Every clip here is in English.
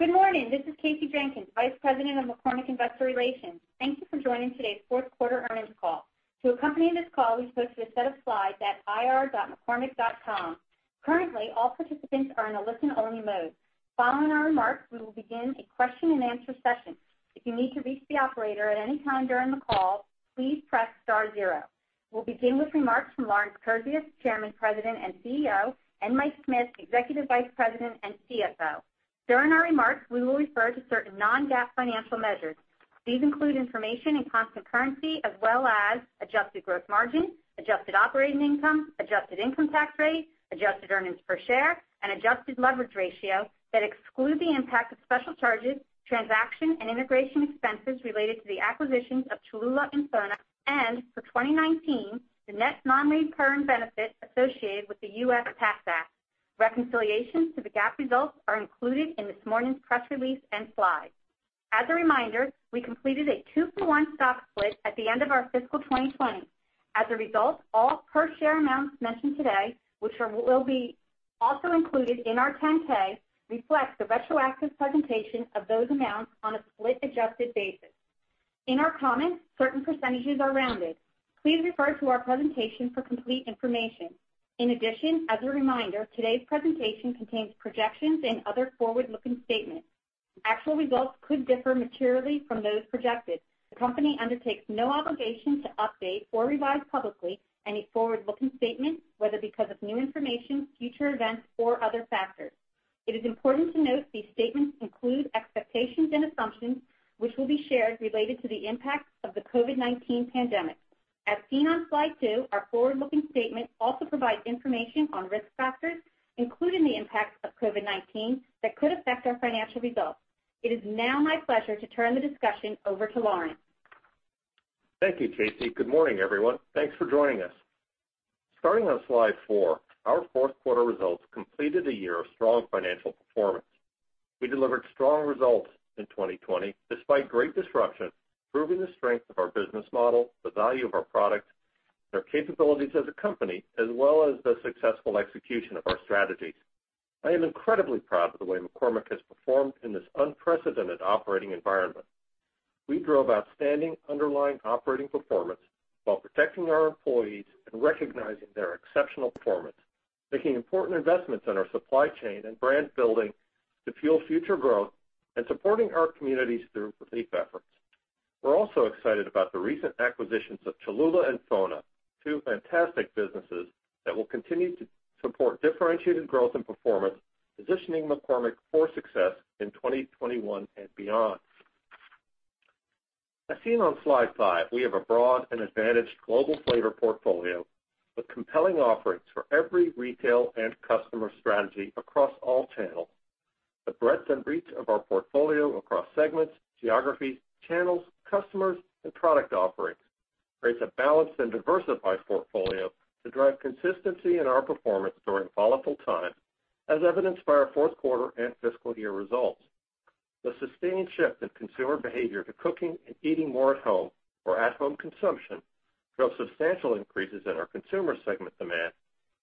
Good morning. This is Kasey Jenkins, Vice President of McCormick Investor Relations. Thank you for joining today's fourth quarter earnings call. To accompany this call, we posted a set of slides at ir.mccormick.com. Currently, all participants are in a listen-only mode. Following our remarks, we will begin a question and answer session. If you need to reach the operator at any time during the call, please press star zero. We'll begin with remarks from Lawrence Kurzius, Chairman, President, and CEO, and Mike Smith, Executive Vice President and CFO. During our remarks, we will refer to certain non-GAAP financial measures. These include information in constant currency as well as adjusted gross margin, adjusted operating income, adjusted income tax rate, adjusted earnings per share, and adjusted leverage ratio that exclude the impact of special charges, transaction and integration expenses related to the acquisitions of Cholula and FONA, and for 2019, the net non-recurring benefit associated with the U.S. Tax Act. Reconciliation to the GAAP results are included in this morning's press release and slides. As a reminder, we completed a two-for-one stock split at the end of our fiscal 2020. As a result, all per share amounts mentioned today, which will be also included in our 10-K, reflect the retroactive presentation of those amounts on a split-adjusted basis. In our comments, certain percentages are rounded. Please refer to our presentation for complete information. In addition, as a reminder, today's presentation contains projections and other forward-looking statements. Actual results could differ materially from those projected. The company undertakes no obligation to update or revise publicly any forward-looking statement, whether because of new information, future events, or other factors. It is important to note these statements include expectations and assumptions, which will be shared related to the impacts of the COVID-19 pandemic. As seen on slide two, our forward-looking statement also provides information on risk factors, including the impacts of COVID-19 that could affect our financial results. It is now my pleasure to turn the discussion over to Lawrence. Thank you, Kasey. Good morning, everyone. Thanks for joining us. Starting on slide four, our fourth quarter results completed a year of strong financial performance. We delivered strong results in 2020 despite great disruption, proving the strength of our business model, the value of our products, and our capabilities as a company, as well as the successful execution of our strategies. I am incredibly proud of the way McCormick has performed in this unprecedented operating environment. We drove outstanding underlying operating performance while protecting our employees and recognizing their exceptional performance, making important investments in our supply chain and brand building to fuel future growth and supporting our communities through relief efforts. We're also excited about the recent acquisitions of Cholula and FONA, two fantastic businesses that will continue to support differentiated growth and performance, positioning McCormick for success in 2021 and beyond. As seen on slide five, we have a broad and advantaged global flavor portfolio with compelling offerings for every retail and customer strategy across all channels. The breadth and reach of our portfolio across segments, geographies, channels, customers, and product offerings creates a balanced and diversified portfolio to drive consistency in our performance during volatile times, as evidenced by our fourth quarter and fiscal year results. The sustained shift in consumer behavior to cooking and eating more at home or at-home consumption drove substantial increases in our consumer segment demand,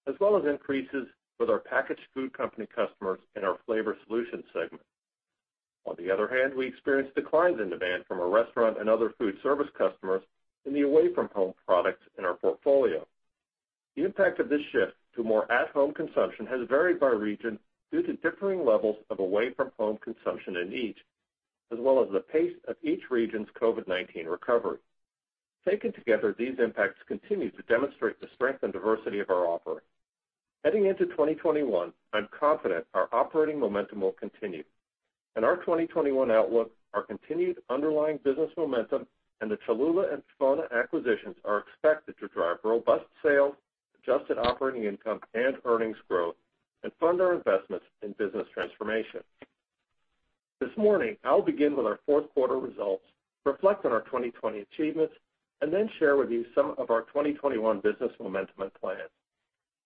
as well as increases with our packaged food company customers in our Flavor Solution segment. On the other hand, we experienced declines in demand from our restaurant and other food service customers in the away-from-home products in our portfolio. The impact of this shift to more at-home consumption has varied by region due to differing levels of away-from-home consumption in each, as well as the pace of each region's COVID-19 recovery. Taken together, these impacts continue to demonstrate the strength and diversity of our offering. Heading into 2021, I'm confident our operating momentum will continue. In our 2021 outlook, our continued underlying business momentum and the Cholula and FONA acquisitions are expected to drive robust sales, adjusted operating income, and earnings growth and fund our investments in business transformation. This morning, I'll begin with our fourth quarter results, reflect on our 2020 achievements, and then share with you some of our 2021 business momentum and plans.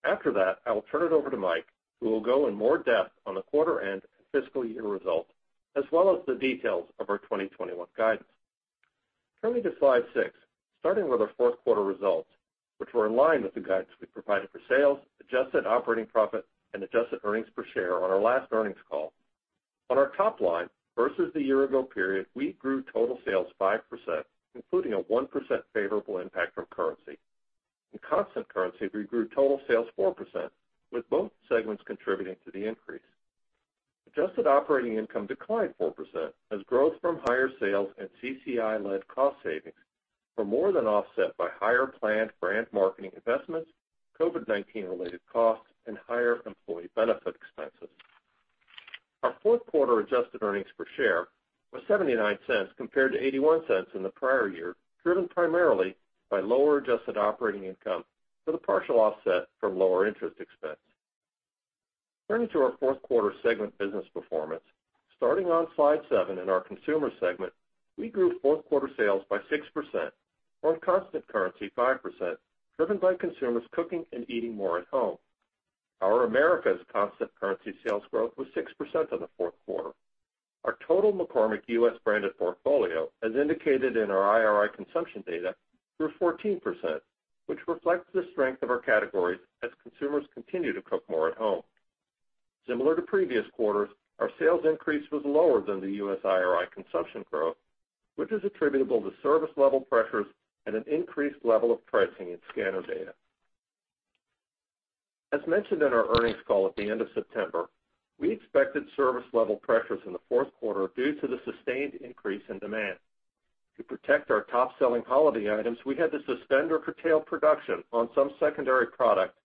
After that, I will turn it over to Mike, who will go in more depth on the quarter end and fiscal year results, as well as the details of our 2021 guidance. Turning to slide six, starting with our fourth quarter results, which were in line with the guidance we provided for sales, adjusted operating profit, and adjusted earnings per share on our last earnings call. On our top line versus the year ago period, we grew total sales 5%, including a 1% favorable impact from currency. In constant currency, we grew total sales 4%, with both segments contributing to the increase. Adjusted operating income declined 4% as growth from higher sales and CCI-led cost savings were more than offset by higher planned brand marketing investments, COVID-19 related costs, and higher employee benefit expenses. Our fourth quarter adjusted earnings per share was $0.79 compared to $0.81 in the prior year, driven primarily by lower adjusted operating income with a partial offset from lower interest expense. Turning to our fourth quarter segment business performance, starting on slide seven in our consumer segment, we grew fourth quarter sales by 6%, or in constant currency 5%, driven by consumers cooking and eating more at home. Our Americas constant currency sales growth was 6% in the fourth quarter. Our total McCormick U.S. branded portfolio, as indicated in our IRI consumption data, grew 14%. Which reflects the strength of our categories as consumers continue to cook more at home. Similar to previous quarters, our sales increase was lower than the U.S. IRI consumption growth, which is attributable to service level pressures and an increased level of pricing in scanner data. As mentioned in our earnings call at the end of September, we expected service level pressures in the fourth quarter due to the sustained increase in demand. To protect our top-selling holiday items, we had to suspend or curtail production on some secondary product,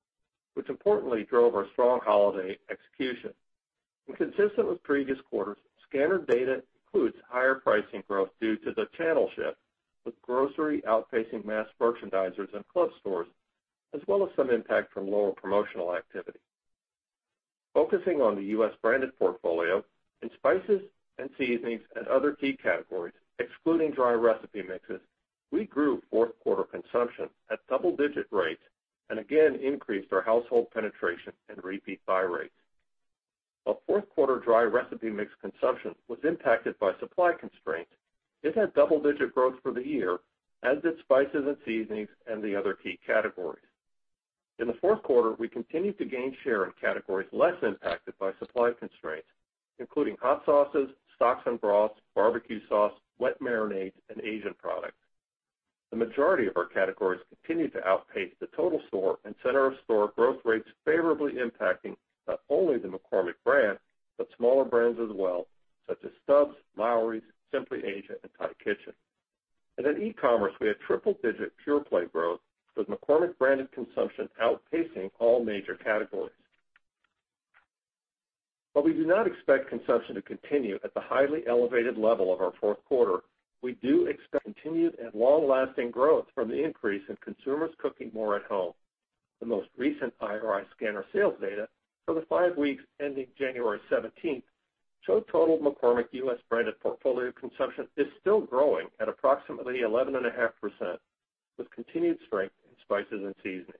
which importantly drove our strong holiday execution. Consistent with previous quarters, scanner data includes higher pricing growth due to the channel shift, with grocery outpacing mass merchandisers and club stores, as well as some impact from lower promotional activity. Focusing on the U.S. branded portfolio, in spices and seasonings and other key categories, excluding dry recipe mixes, we grew fourth quarter consumption at double-digit rates and again increased our household penetration and repeat buy rates. While fourth quarter dry recipe mix consumption was impacted by supply constraints, it had double-digit growth for the year, as did spices and seasonings and the other key categories. In the fourth quarter, we continued to gain share in categories less impacted by supply constraints, including hot sauces, stocks and broths, barbecue sauce, wet marinades, and Asian products. The majority of our categories continued to outpace the total store and center of store growth rates favorably impacting not only the McCormick brand, but smaller brands as well, such as Stubb's, Lawry's, Simply Asia, and Thai Kitchen. In e-commerce, we had triple-digit pure play growth, with McCormick branded consumption outpacing all major categories. While we do not expect consumption to continue at the highly elevated level of our fourth quarter, we do expect continued and long-lasting growth from the increase in consumers cooking more at home. The most recent IRI scanner sales data for the five weeks ending January 17th show total McCormick U.S. branded portfolio consumption is still growing at approximately 11.5%, with continued strength in spices and seasonings.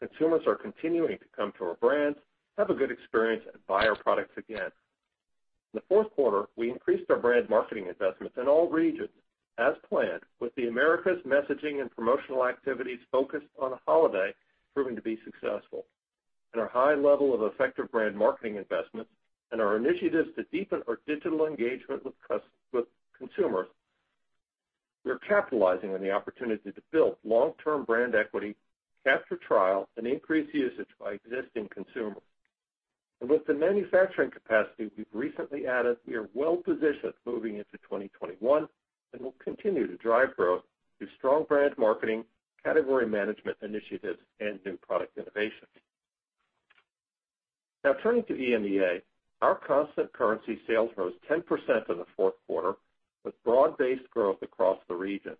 Consumers are continuing to come to our brands, have a good experience, and buy our products again. In the fourth quarter, we increased our brand marketing investments in all regions as planned, with the Americas messaging and promotional activities focused on holiday proving to be successful. Our high level of effective brand marketing investments and our initiatives to deepen our digital engagement with consumers, we are capitalizing on the opportunity to build long-term brand equity, capture trial, and increase usage by existing consumers. With the manufacturing capacity we've recently added, we are well-positioned moving into 2021 and will continue to drive growth through strong brand marketing, category management initiatives, and new product innovations. Turning to EMEA. Our constant currency sales rose 10% in the fourth quarter, with broad-based growth across the region.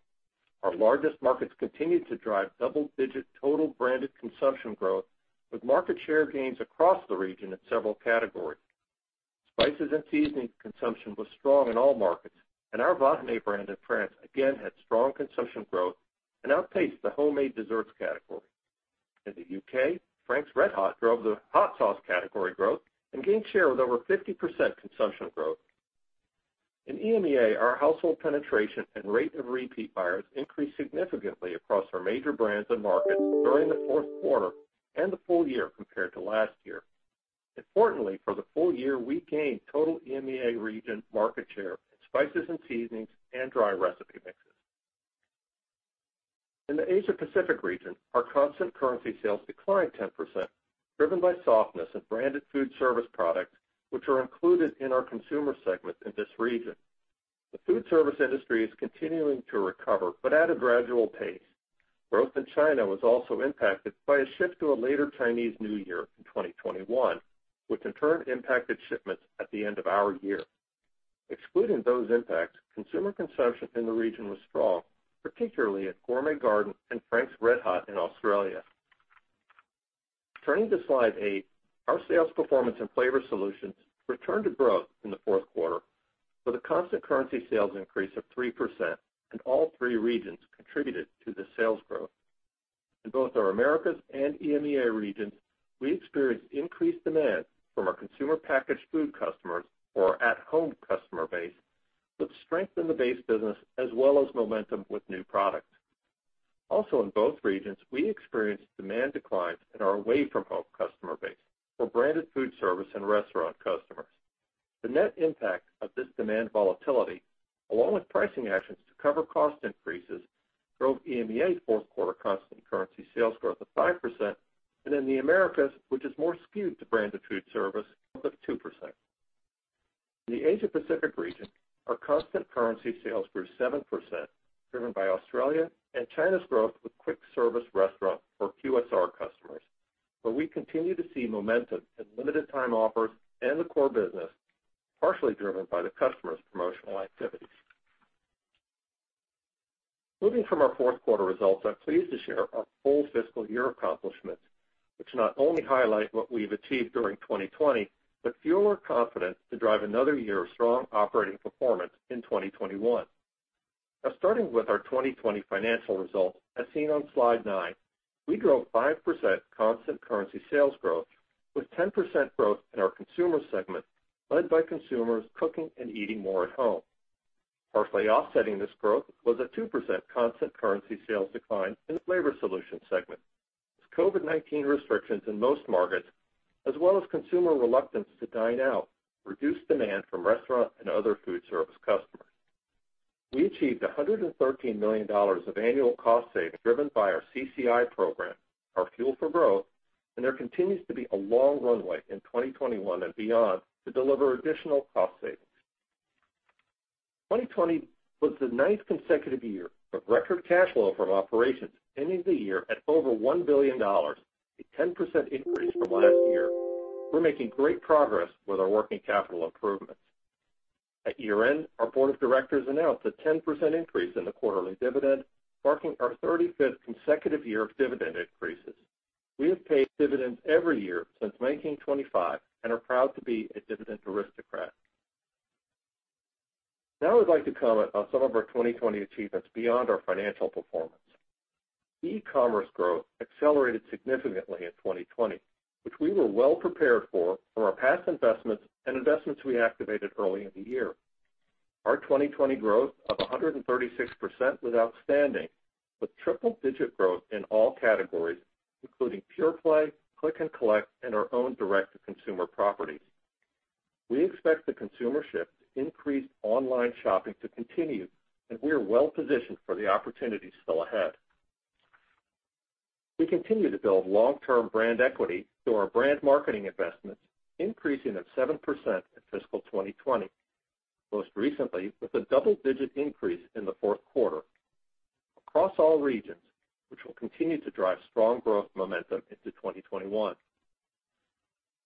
Our largest markets continued to drive double-digit total branded consumption growth with market share gains across the region in several categories. Spices and seasonings consumption was strong in all markets, and our Vahiné brand in France again had strong consumption growth and outpaced the homemade desserts category. In the U.K., Frank's RedHot drove the hot sauce category growth and gained share with over 50% consumption growth. In EMEA, our household penetration and rate of repeat buyers increased significantly across our major brands and markets during the fourth quarter and the full year compared to last year. Importantly, for the full year, we gained total EMEA region market share in spices and seasonings and dry recipe mixes. In the Asia Pacific region, our constant currency sales declined 10%, driven by softness in branded food service products, which are included in our consumer segment in this region. The food service industry is continuing to recover, but at a gradual pace. Growth in China was also impacted by a shift to a later Chinese New Year in 2021, which in turn impacted shipments at the end of our year. Excluding those impacts, consumer consumption in the region was strong, particularly at Gourmet Garden and Frank's RedHot in Australia. Turning to slide eight, our sales performance in Flavor Solutions returned to growth in the fourth quarter, with a constant currency sales increase of 3%, and all three regions contributed to this sales growth. In both our Americas and EMEA regions, we experienced increased demand from our consumer packaged food customers or our at-home customer base, with strength in the base business as well as momentum with new products. In both regions, we experienced demand declines in our away from home customer base for branded food service and restaurant customers. The net impact of this demand volatility, along with pricing actions to cover cost increases, drove EMEA's fourth quarter constant currency sales growth of 5%, and in the Americas, which is more skewed to branded food service, growth of 2%. In the Asia Pacific region, our constant currency sales grew 7%, driven by Australia and China's growth with quick service restaurant or QSR customers, where we continue to see momentum in limited time offers and the core business, partially driven by the customers' promotional activities. Moving from our fourth quarter results, I'm pleased to share our full fiscal year accomplishments, which not only highlight what we've achieved during 2020, but fuel our confidence to drive another year of strong operating performance in 2021. Starting with our 2020 financial results, as seen on slide nine. We grew 5% constant currency sales growth with 10% growth in our Consumer segment, led by consumers cooking and eating more at home. Partially offsetting this growth was a 2% constant currency sales decline in the Flavor Solutions segment, as COVID-19 restrictions in most markets, as well as consumer reluctance to dine out, reduced demand from restaurant and other food service customers. We achieved $113 million of annual cost savings driven by our CCI program, our fuel for growth, there continues to be a long runway in 2021 and beyond to deliver additional cost savings. 2020 was the ninth consecutive year of record cash flow from operations, ending the year at over $1 billion, a 10% increase from last year. We are making great progress with our working capital improvements. At year-end, our Board of Directors announced a 10% increase in the quarterly dividend, marking our 35th consecutive year of dividend increases. We have paid dividends every year since 1925 and are proud to be a dividend aristocrat. Now I'd like to comment on some of our 2020 achievements beyond our financial performance. E-commerce growth accelerated significantly in 2020, which we were well prepared for, from our past investments and investments we activated early in the year. Our 2020 growth of 136% was outstanding, with triple digit growth in all categories, including pure play, click and collect, and our own direct-to-consumer properties. We expect the consumer shift to increased online shopping to continue, and we're well-positioned for the opportunities still ahead. We continue to build long-term brand equity through our brand marketing investments, increasing them 7% in fiscal 2020, most recently with a double-digit increase in the fourth quarter. Across all regions, which will continue to drive strong growth momentum into 2021.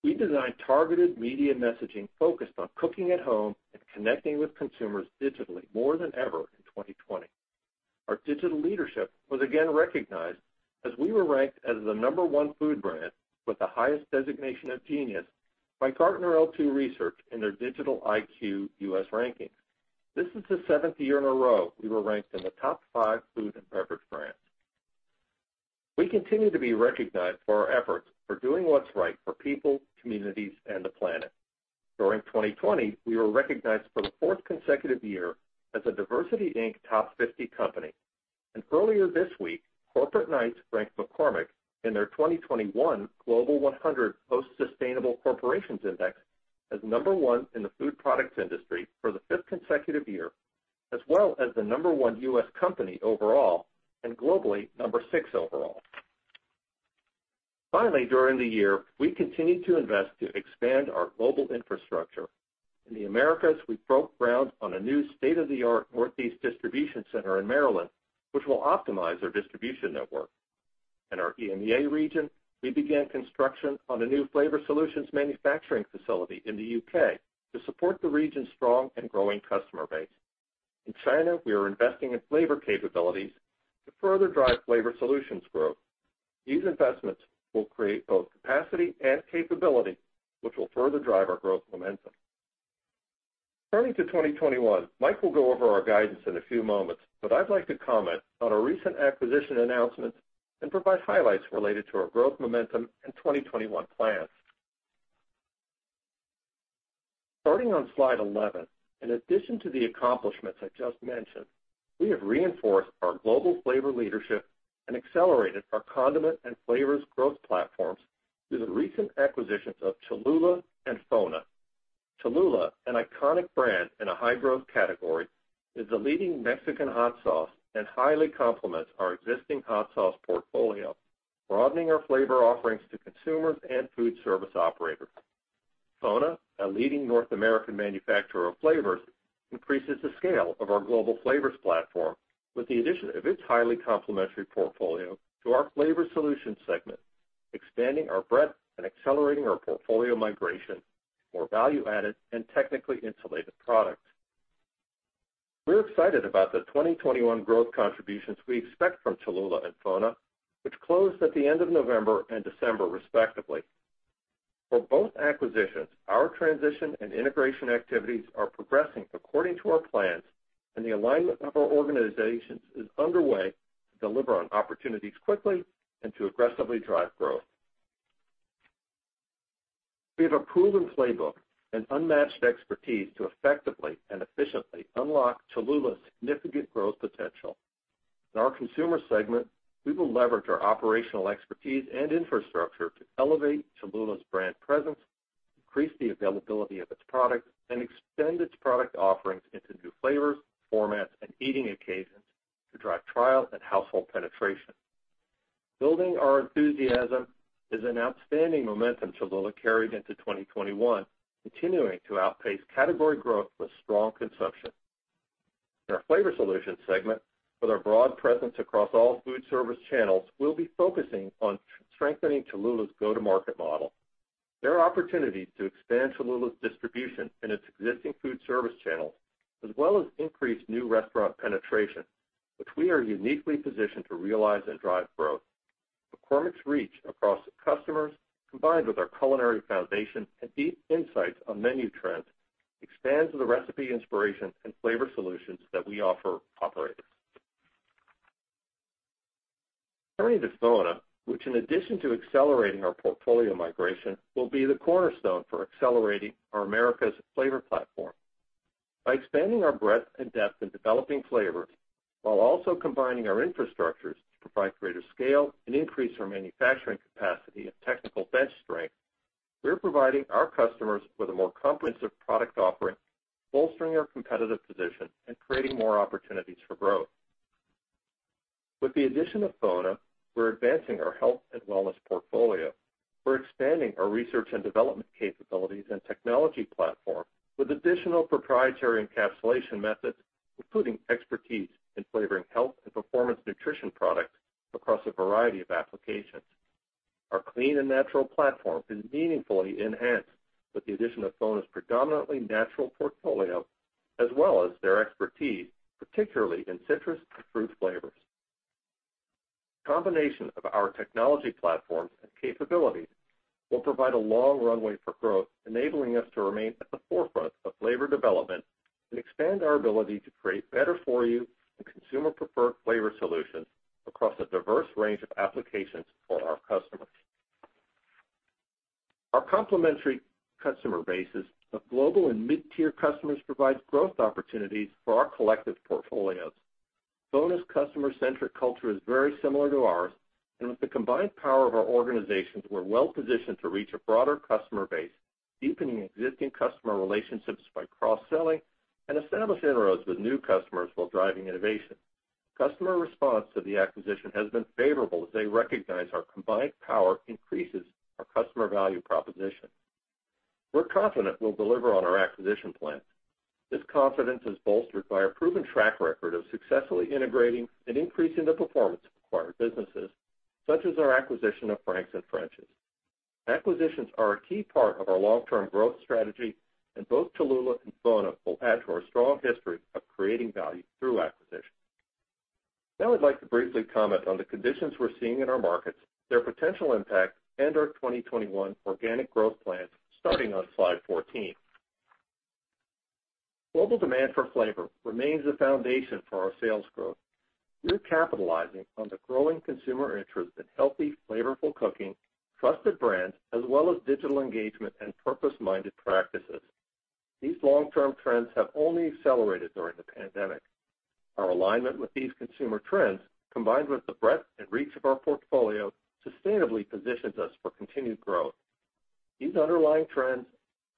We designed targeted media messaging focused on cooking at home and connecting with consumers digitally more than ever in 2020. Our digital leadership was again recognized as we were ranked as the number one food brand with the highest designation of Genius by Gartner L2 Research in their Digital IQ U.S. rankings. This is the seventh year in a row we were ranked in the top five food and beverage brands. We continue to be recognized for our efforts for doing what's right for people, communities, and the planet. During 2020, we were recognized for the fourth consecutive year as a DiversityInc Top 50 company. Earlier this week, Corporate Knights ranked McCormick in their 2021 Global 100 Most Sustainable Corporations Index as number one in the food products industry for the fifth consecutive year, as well as the number one U.S. company overall, and globally, number six overall. Finally, during the year, we continued to invest to expand our global infrastructure. In the Americas, we broke ground on a new state-of-the-art Northeast distribution center in Maryland, which will optimize our distribution network. In our EMEA region, we began construction on a new Flavor Solutions manufacturing facility in the U.K. to support the region's strong and growing customer base. In China, we are investing in flavor capabilities to further drive Flavor Solutions growth. These investments will create both capacity and capability, which will further drive our growth momentum. Turning to 2021, Mike will go over our guidance in a few moments. I'd like to comment on our recent acquisition announcements and provide highlights related to our growth momentum and 2021 plans. Starting on slide 11, in addition to the accomplishments I just mentioned, we have reinforced our global flavor leadership and accelerated our condiment and flavors growth platforms through the recent acquisitions of Cholula and FONA. Cholula, an iconic brand in a high-growth category, is the leading Mexican hot sauce and highly complements our existing hot sauce portfolio, broadening our flavor offerings to consumers and food service operators. FONA, a leading North American manufacturer of flavors, increases the scale of our global flavors platform with the addition of its highly complementary portfolio to our Flavor Solutions segment, expanding our breadth and accelerating our portfolio migration to more value-added and technically insulated products. We're excited about the 2021 growth contributions we expect from Cholula and FONA, which closed at the end of November and December, respectively. For both acquisitions, our transition and integration activities are progressing according to our plans, and the alignment of our organizations is underway to deliver on opportunities quickly and to aggressively drive growth. We have a proven playbook and unmatched expertise to effectively and efficiently unlock Cholula's significant growth potential. In our consumer segment, we will leverage our operational expertise and infrastructure to elevate Cholula's brand presence, increase the availability of its products, and extend its product offerings into new flavors, formats, and eating occasions to drive trial and household penetration. Building our enthusiasm is an outstanding momentum Cholula carried into 2021, continuing to outpace category growth with strong consumption. In our Flavor Solutions segment, with our broad presence across all food service channels, we'll be focusing on strengthening Cholula's go-to-market model. There are opportunities to expand Cholula's distribution in its existing food service channels, as well as increase new restaurant penetration, which we are uniquely positioned to realize and drive growth. McCormick's reach across customers, combined with our culinary foundation and deep insights on menu trends expands the recipe inspiration and Flavor Solutions that we offer operators. Turning to FONA, which in addition to accelerating our portfolio migration, will be the cornerstone for accelerating our America's flavor platform. By expanding our breadth and depth in developing flavors while also combining our infrastructures to provide greater scale and increase our manufacturing capacity and technical bench strength, we're providing our customers with a more comprehensive product offering, bolstering our competitive position, and creating more opportunities for growth. With the addition of FONA, we're advancing our health and wellness portfolio. We're expanding our research and development capabilities and technology platform with additional proprietary encapsulation methods, including expertise in flavoring health and performance nutrition products across a variety of applications. Our clean and natural platform is meaningfully enhanced with the addition of FONA's predominantly natural portfolio, as well as their expertise, particularly in citrus and fruit flavors. The combination of our technology platforms and capabilities will provide a long runway for growth, enabling us to remain at the forefront of flavor development and expand our ability to create better for you and consumer-preferred flavor solutions across a diverse range of applications for our customers. Our complementary customer bases of global and mid-tier customers provides growth opportunities for our collective portfolios. FONA's customer-centric culture is very similar to ours. With the combined power of our organizations, we're well positioned to reach a broader customer base, deepening existing customer relationships by cross-selling and establish inroads with new customers while driving innovation. Customer response to the acquisition has been favorable as they recognize our combined power increases our customer value proposition. We're confident we'll deliver on our acquisition plans. This confidence is bolstered by a proven track record of successfully integrating and increasing the performance of acquired businesses, such as our acquisition of Frank's and French's. Acquisitions are a key part of our long-term growth strategy. Both Cholula and FONA will add to our strong history of creating value through acquisition. I'd like to briefly comment on the conditions we're seeing in our markets, their potential impact, and our 2021 organic growth plans, starting on slide 14. Global demand for flavor remains the foundation for our sales growth. We're capitalizing on the growing consumer interest in healthy, flavorful cooking, trusted brands, as well as digital engagement and purpose-minded practices. These long-term trends have only accelerated during the pandemic. Our alignment with these consumer trends, combined with the breadth and reach of our portfolio, sustainably positions us for continued growth. These underlying trends,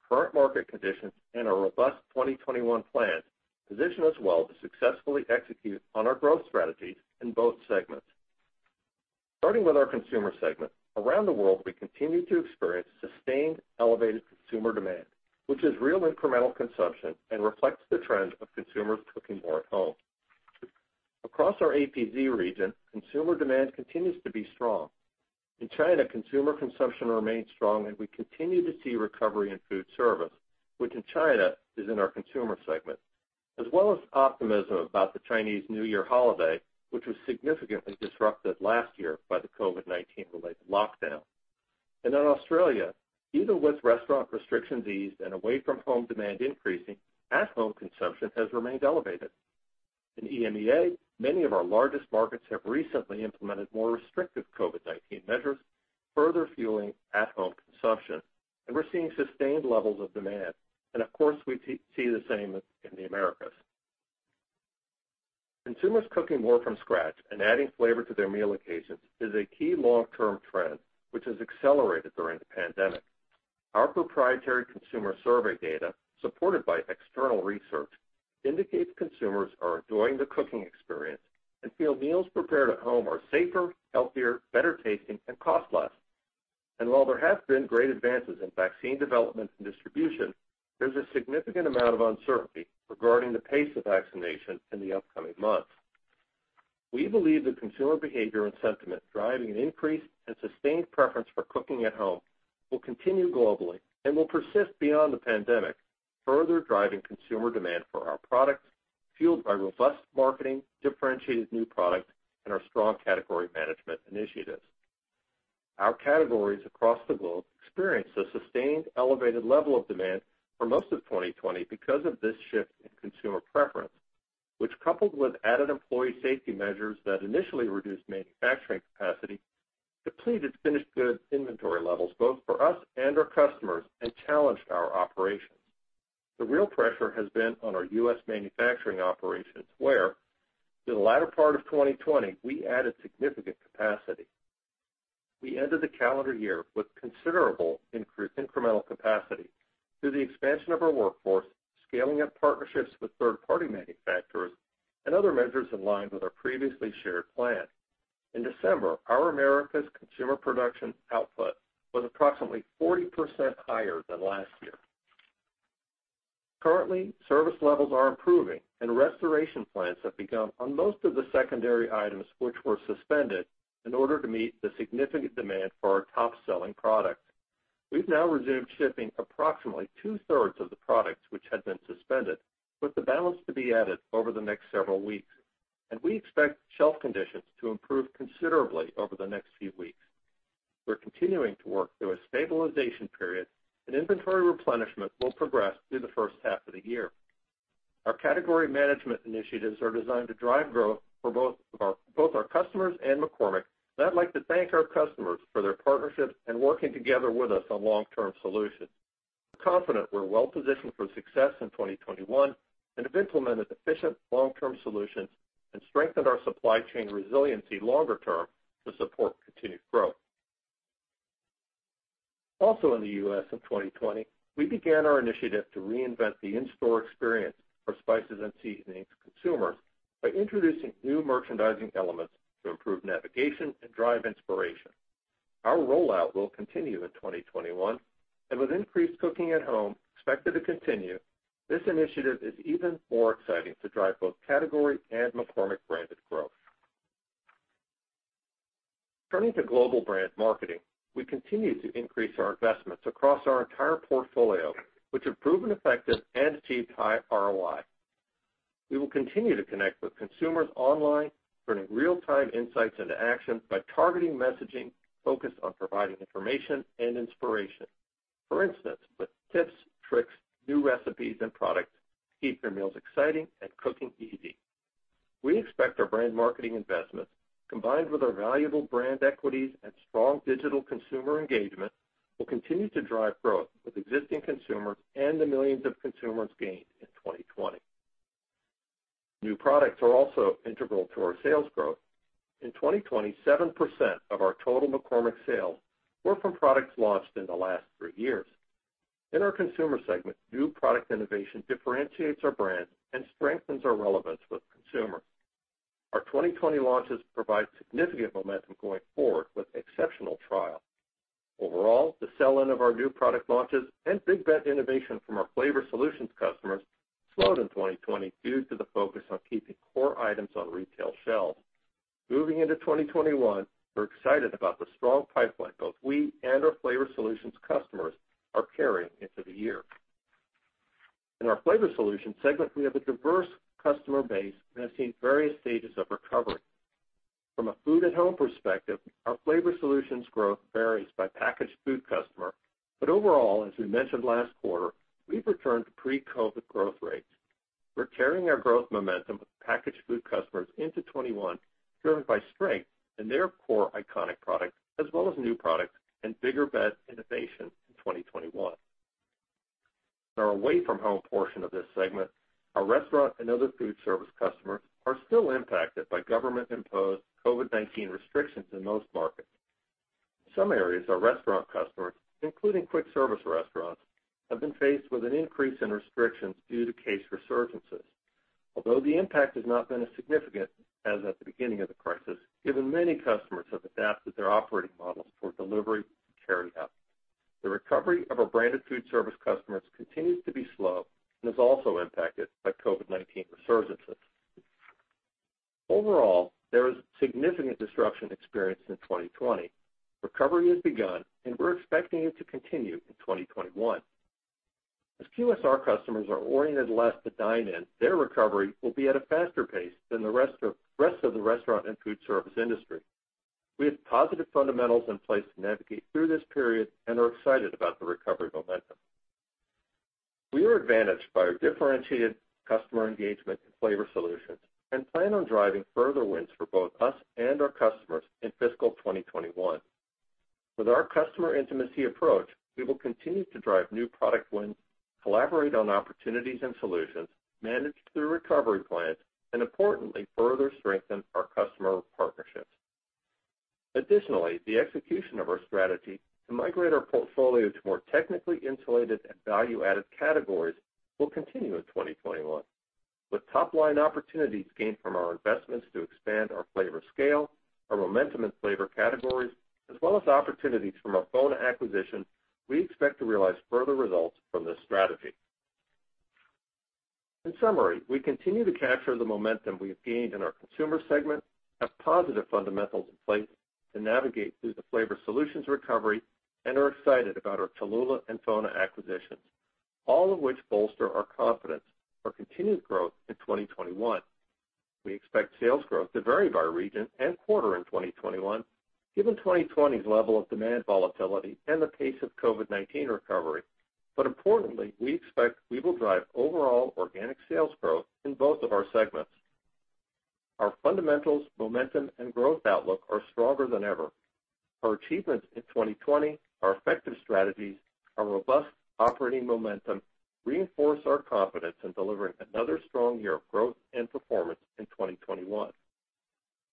current market conditions, and our robust 2021 plans position us well to successfully execute on our growth strategies in both segments. Starting with our Consumer segment, around the world, we continue to experience sustained, elevated consumer demand, which is real incremental consumption and reflects the trend of consumers cooking more at home. Across our APZ region, consumer demand continues to be strong. In China, consumer consumption remains strong, we continue to see recovery in food service, which in China is in our Consumer segment, as well as optimism about the Chinese New Year holiday, which was significantly disrupted last year by the COVID-19 related lockdown. In Australia, even with restaurant restrictions eased and away-from-home demand increasing, at-home consumption has remained elevated. In EMEA, many of our largest markets have recently implemented more restrictive COVID-19 measures, further fueling at-home consumption, and we're seeing sustained levels of demand. Of course, we see the same in the Americas. Consumers cooking more from scratch and adding flavor to their meal occasions is a key long-term trend which has accelerated during the pandemic. Our proprietary consumer survey data, supported by external research, indicates consumers are enjoying the cooking experience and feel meals prepared at home are safer, healthier, better tasting, and cost less. While there have been great advances in vaccine development and distribution, there's a significant amount of uncertainty regarding the pace of vaccination in the upcoming months. We believe the consumer behavior and sentiment driving an increased and sustained preference for cooking at home will continue globally and will persist beyond the pandemic, further driving consumer demand for our products, fueled by robust marketing, differentiated new products, and our strong category management initiatives. Our categories across the globe experienced a sustained, elevated level of demand for most of 2020 because of this shift in consumer preference, which coupled with added employee safety measures that initially reduced manufacturing capacity, depleted finished goods inventory levels both for us and our customers, and challenged our operations. The real pressure has been on our U.S. manufacturing operations, where in the latter part of 2020, we added significant capacity. We ended the calendar year with considerable incremental capacity through the expansion of our workforce, scaling up partnerships with third-party manufacturers, and other measures in line with our previously shared plan. In December, our Americas consumer production output was approximately 40% higher than last year. Currently, service levels are improving and restoration plans have begun on most of the secondary items which were suspended in order to meet the significant demand for our top-selling products. We've now resumed shipping approximately 2/3 of the products which had been suspended, with the balance to be added over the next several weeks. We expect shelf conditions to improve considerably over the next few weeks. We're continuing to work through a stabilization period, and inventory replenishment will progress through the first half of the year. Our category management initiatives are designed to drive growth for both our customers and McCormick. I'd like to thank our customers for their partnership and working together with us on long-term solutions. Confident we're well-positioned for success in 2021 and have implemented efficient long-term solutions and strengthened our supply chain resiliency longer term to support continued growth. In the U.S. in 2020, we began our initiative to reinvent the in-store experience for spices and seasonings consumers by introducing new merchandising elements to improve navigation and drive inspiration. Our rollout will continue in 2021, and with increased cooking at home expected to continue, this initiative is even more exciting to drive both category and McCormick branded growth. Turning to global brand marketing, we continue to increase our investments across our entire portfolio, which have proven effective and achieved high ROI. We will continue to connect with consumers online, turning real-time insights into action by targeting messaging focused on providing information and inspiration. For instance, with tips, tricks, new recipes, and products to keep their meals exciting and cooking easy. We expect our brand marketing investments, combined with our valuable brand equities and strong digital consumer engagement, will continue to drive growth with existing consumers and the millions of consumers gained in 2020. New products are also integral to our sales growth. In 2020, 7% of our total McCormick sales were from products launched in the last three years. In our Consumer segment, new product innovation differentiates our brand and strengthens our relevance with consumers. Our 2020 launches provide significant momentum going forward with exceptional trial. Overall, the sell-in of our new product launches and big bet innovation from our flavor solutions customers slowed in 2020 due to the focus on keeping core items on retail shelves. Moving into 2021, we're excited about the strong pipeline both we and our Flavor Solutions customers are carrying into the year. In our Flavor Solutions segment, we have a diverse customer base and have seen various stages of recovery. From a food at home perspective, our Flavor Solutions growth varies by packaged food customer. Overall, as we mentioned last quarter, we've returned to pre-COVID growth rates. We're carrying our growth momentum with packaged food customers into 2021, driven by strength in their core iconic products, as well as new products and bigger bet innovation in 2021. In our away from home portion of this segment, our restaurant and other food service customers are still impacted by government-imposed COVID-19 restrictions in most markets. Some areas, our restaurant customers, including quick service restaurants, have been faced with an increase in restrictions due to case resurgences. Although the impact has not been as significant as at the beginning of the crisis, given many customers have adapted their operating models for delivery and carry-out. The recovery of our branded food service customers continues to be slow and is also impacted by COVID-19 resurgences. Overall, there is significant disruption experienced in 2020. Recovery has begun, and we're expecting it to continue in 2021. As QSR customers are oriented less to dine-in, their recovery will be at a faster pace than the rest of the restaurant and food service industry. We have positive fundamentals in place to navigate through this period and are excited about the recovery momentum. We are advantaged by our differentiated customer engagement in Flavor Solutions and plan on driving further wins for both us and our customers in fiscal 2021. With our customer intimacy approach, we will continue to drive new product wins, collaborate on opportunities and solutions, manage through recovery plans, and importantly, further strengthen our customer partnerships. The execution of our strategy to migrate our portfolio to more technically insulated and value-added categories will continue in 2021. With top-line opportunities gained from our investments to expand our flavor scale, our momentum in flavor categories, as well as opportunities from our FONA acquisition, we expect to realize further results from this strategy. We continue to capture the momentum we have gained in our Consumer segment, have positive fundamentals in place to navigate through the Flavor Solutions recovery, and are excited about our Cholula and FONA acquisitions, all of which bolster our confidence for continued growth in 2021. We expect sales growth to vary by region and quarter in 2021, given 2020's level of demand volatility and the pace of COVID-19 recovery. Importantly, we expect we will drive overall organic sales growth in both of our segments. Our fundamentals, momentum, and growth outlook are stronger than ever. Our achievements in 2020, our effective strategies, our robust operating momentum reinforce our confidence in delivering another strong year of growth and performance in 2021.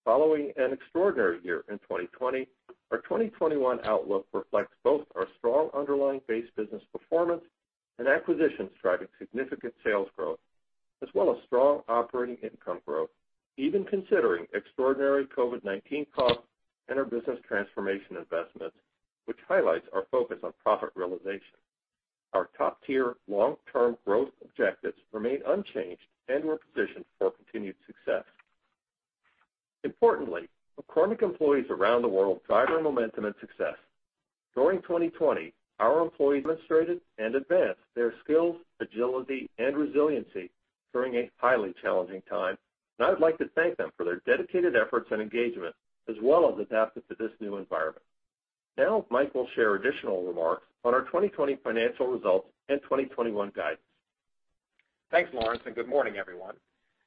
Following an extraordinary year in 2020, our 2021 outlook reflects both our strong underlying base business performance and acquisitions driving significant sales growth, as well as strong operating income growth, even considering extraordinary COVID-19 costs and our business transformation investments, which highlights our focus on profit realization. Our top-tier long-term growth objectives remain unchanged and we're positioned for continued success. Importantly, McCormick employees around the world drive our momentum and success. During 2020, our employees demonstrated and advanced their skills, agility, and resiliency during a highly challenging time, and I'd like to thank them for their dedicated efforts and engagement, as well as adapting to this new environment. Now, Mike will share additional remarks on our 2020 financial results and 2021 guidance. Thanks, Lawrence, and good morning, everyone.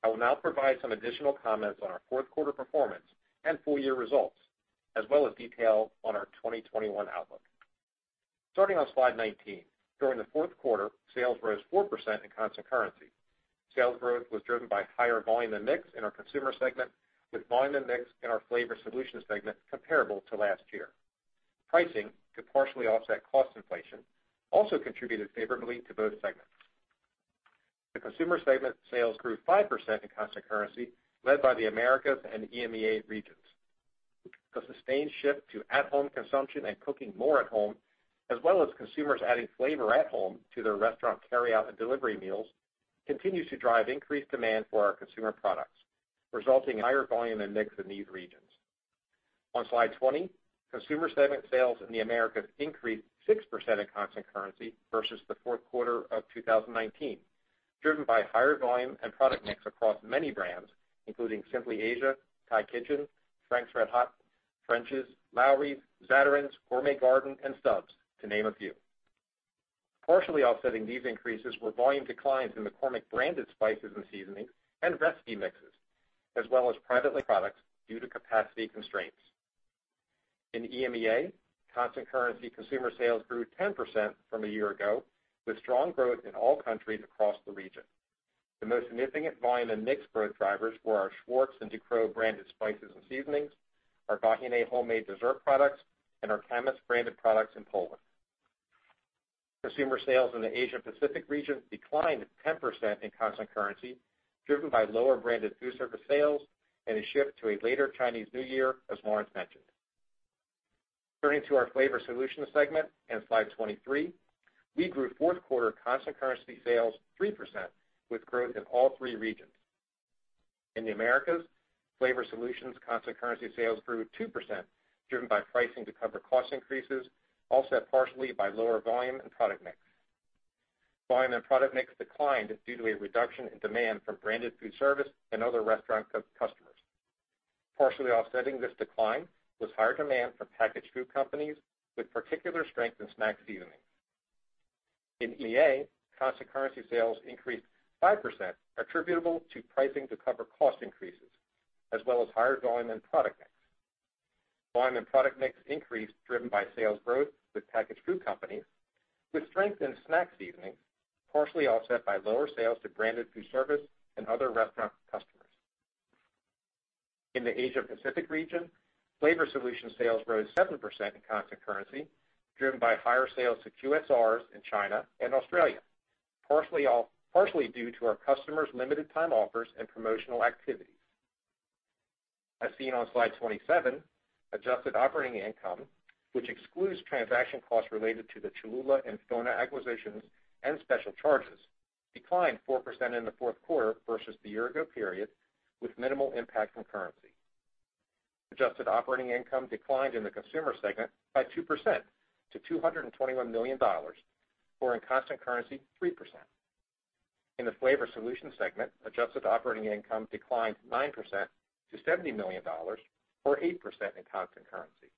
I will now provide some additional comments on our fourth quarter performance and full year results, as well as detail on our 2021 outlook. Starting on slide 19, during the fourth quarter, sales rose 4% in constant currency. Sales growth was driven by higher volume and mix in our Consumer segment, with volume and mix in our Flavor Solutions segment comparable to last year. Pricing to partially offset cost inflation also contributed favorably to both segments. The Consumer segment sales grew 5% in constant currency, led by the Americas and EMEA regions. The sustained shift to at-home consumption and cooking more at home, as well as consumers adding flavor at home to their restaurant carryout and delivery meals, continues to drive increased demand for our consumer products, resulting in higher volume and mix in these regions. On slide 20, Consumer segment sales in the Americas increased 6% in constant currency versus the fourth quarter of 2019, driven by higher volume and product mix across many brands, including Simply Asia, Thai Kitchen, Frank's RedHot, French's, Lawry's, Zatarain's, Gourmet Garden, and Stubb's, to name a few. Partially offsetting these increases were volume declines in McCormick branded spices and seasonings and recipe mixes, as well as private products due to capacity constraints. In EMEA, constant currency consumer sales grew 10% from a year ago, with strong growth in all countries across the region. The most significant volume and mix growth drivers were our Schwartz and Ducros branded spices and seasonings, our Vahiné homemade dessert products, and our Kamis branded products in Poland. Consumer sales in the Asia Pacific region declined 10% in constant currency, driven by lower branded food service sales and a shift to a later Chinese New Year, as Lawrence mentioned. Turning to our Flavor Solutions segment and slide 23, we grew fourth quarter constant currency sales 3%, with growth in all three regions. In the Americas, Flavor Solutions constant currency sales grew 2%, driven by pricing to cover cost increases, offset partially by lower volume and product mix. Volume and product mix declined due to a reduction in demand from branded food service and other restaurant customers. Partially offsetting this decline was higher demand from packaged food companies, with particular strength in snack seasonings. In EMEA, constant currency sales increased 5%, attributable to pricing to cover cost increases, as well as higher volume and product mix. Volume and product mix increased, driven by sales growth with packaged food companies with strength in snack seasoning, partially offset by lower sales to branded food service and other restaurant customers. In the Asia Pacific Region, Flavor Solution sales rose 7% in constant currency, driven by higher sales to QSRs in China and Australia, partially due to our customers' limited time offers and promotional activities. As seen on slide 27, adjusted operating income, which excludes transaction costs related to the Cholula and FONA acquisitions and special charges, declined 4% in the fourth quarter versus the year ago period, with minimal impact from currency. Adjusted operating income declined in the Consumer segment by 2% to $221 million, or in constant currency, 3%. In the Flavor Solutions segment, adjusted operating income declined 9% to $70 million or 8% in constant currency.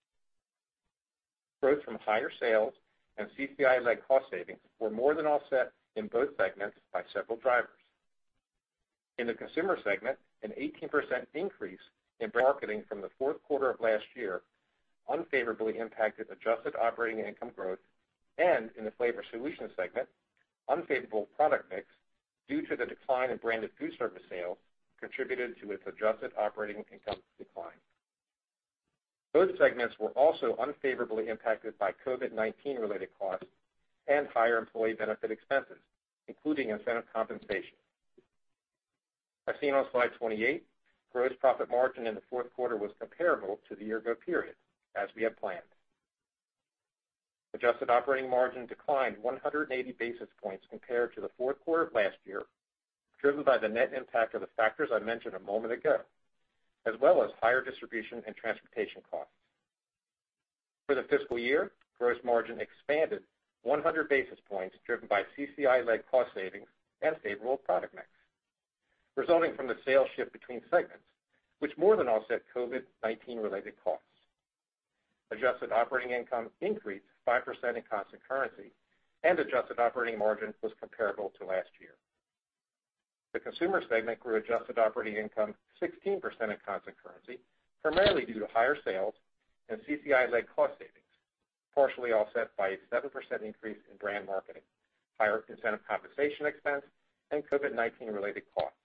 Growth from higher sales and CCI-led cost savings were more than offset in both segments by several drivers. In the Consumer segment, an 18% increase in marketing from the fourth quarter of last year unfavorably impacted adjusted operating income growth, and in the Flavor Solutions segment, unfavorable product mix, due to the decline in branded food service sales, contributed to its adjusted operating income decline. Both segments were also unfavorably impacted by COVID-19 related costs and higher employee benefit expenses, including incentive compensation. As seen on slide 28, gross profit margin in the fourth quarter was comparable to the year ago period, as we had planned. Adjusted operating margin declined 180 basis points compared to the fourth quarter of last year, driven by the net impact of the factors I mentioned a moment ago, as well as higher distribution and transportation costs. For the fiscal year, gross margin expanded 100 basis points, driven by CCI-led cost savings and favorable product mix, resulting from the sales shift between segments, which more than offset COVID-19 related costs. Adjusted operating income increased 5% in constant currency and adjusted operating margin was comparable to last year. The Consumer segment grew adjusted operating income 16% in constant currency, primarily due to higher sales and CCI-led cost savings, partially offset by a 7% increase in brand marketing, higher incentive compensation expense, and COVID-19 related costs.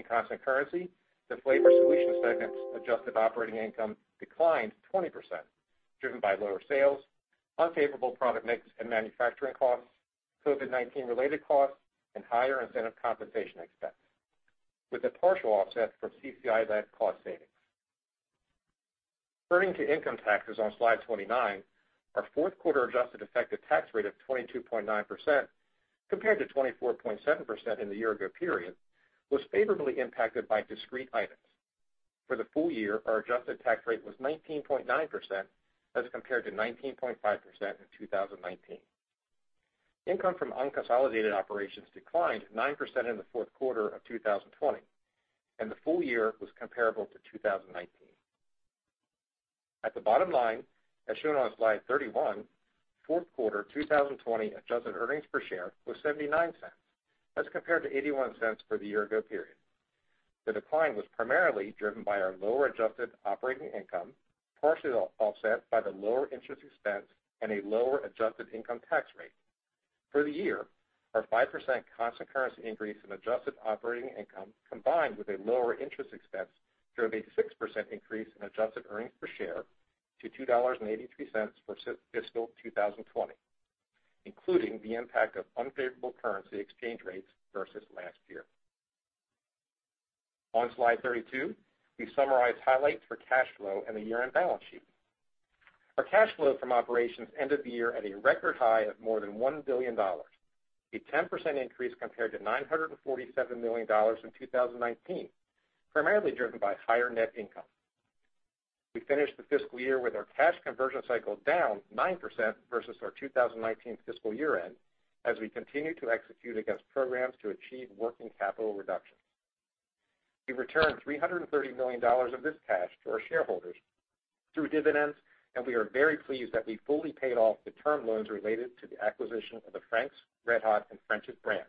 In constant currency, the Flavor Solutions segment's adjusted operating income declined 20%, driven by lower sales, unfavorable product mix and manufacturing costs, COVID-19 related costs, and higher incentive compensation expense, with a partial offset from CCI-led cost savings. Turning to income taxes on slide 29, our fourth quarter adjusted effective tax rate of 22.9% compared to 24.7% in the year ago period, was favorably impacted by discrete items. For the full year, our adjusted tax rate was 19.9% as compared to 19.5% in 2019. Income from unconsolidated operations declined 9% in the fourth quarter of 2020, and the full year was comparable to 2019. At the bottom line, as shown on slide 31, fourth quarter 2020 adjusted earnings per share was $0.79 as compared to $0.81 for the year ago period. The decline was primarily driven by our lower adjusted operating income, partially offset by the lower interest expense and a lower adjusted income tax rate. For the year, our 5% constant currency increase in adjusted operating income combined with a lower interest expense drove a 6% increase in adjusted earnings per share to $2.83 for fiscal 2020, including the impact of unfavorable currency exchange rates versus last year. On slide 32, we summarize highlights for cash flow and the year-end balance sheet. Our cash flow from operations ended the year at a record high of more than $1 billion, a 10% increase compared to $947 million in 2019, primarily driven by higher net income. We finished the fiscal year with our cash conversion cycle down 9% versus our 2019 fiscal year-end, as we continue to execute against programs to achieve working capital reduction. We returned $330 million of this cash to our shareholders through dividends, and we are very pleased that we fully paid off the term loans related to the acquisition of the Frank's RedHot and French's brands.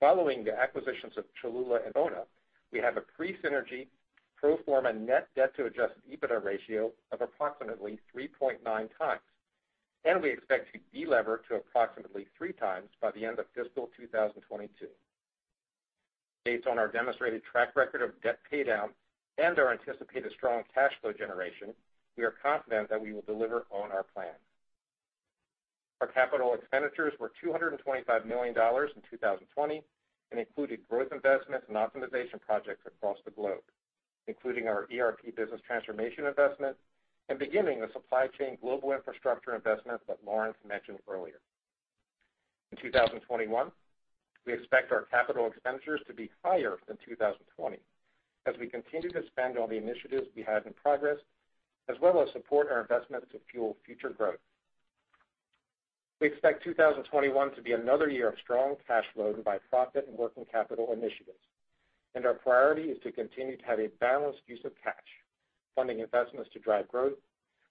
Following the acquisitions of Cholula and FONA, we have a pre-synergy pro forma net debt to adjusted EBITDA ratio of approximately 3.9 times, and we expect to de-lever to approximately 3 times by the end of fiscal 2022. Based on our demonstrated track record of debt paydown and our anticipated strong cash flow generation, we are confident that we will deliver on our plan. Our capital expenditures were $225 million in 2020 and included growth investments and optimization projects across the globe, including our ERP business transformation investment and beginning the supply chain global infrastructure investment that Lawrence mentioned earlier. In 2021, we expect our capital expenditures to be higher than 2020 as we continue to spend on the initiatives we have in progress, as well as support our investment to fuel future growth. We expect 2021 to be another year of strong cash flow driven by profit and working capital initiatives, and our priority is to continue to have a balanced use of cash, funding investments to drive growth,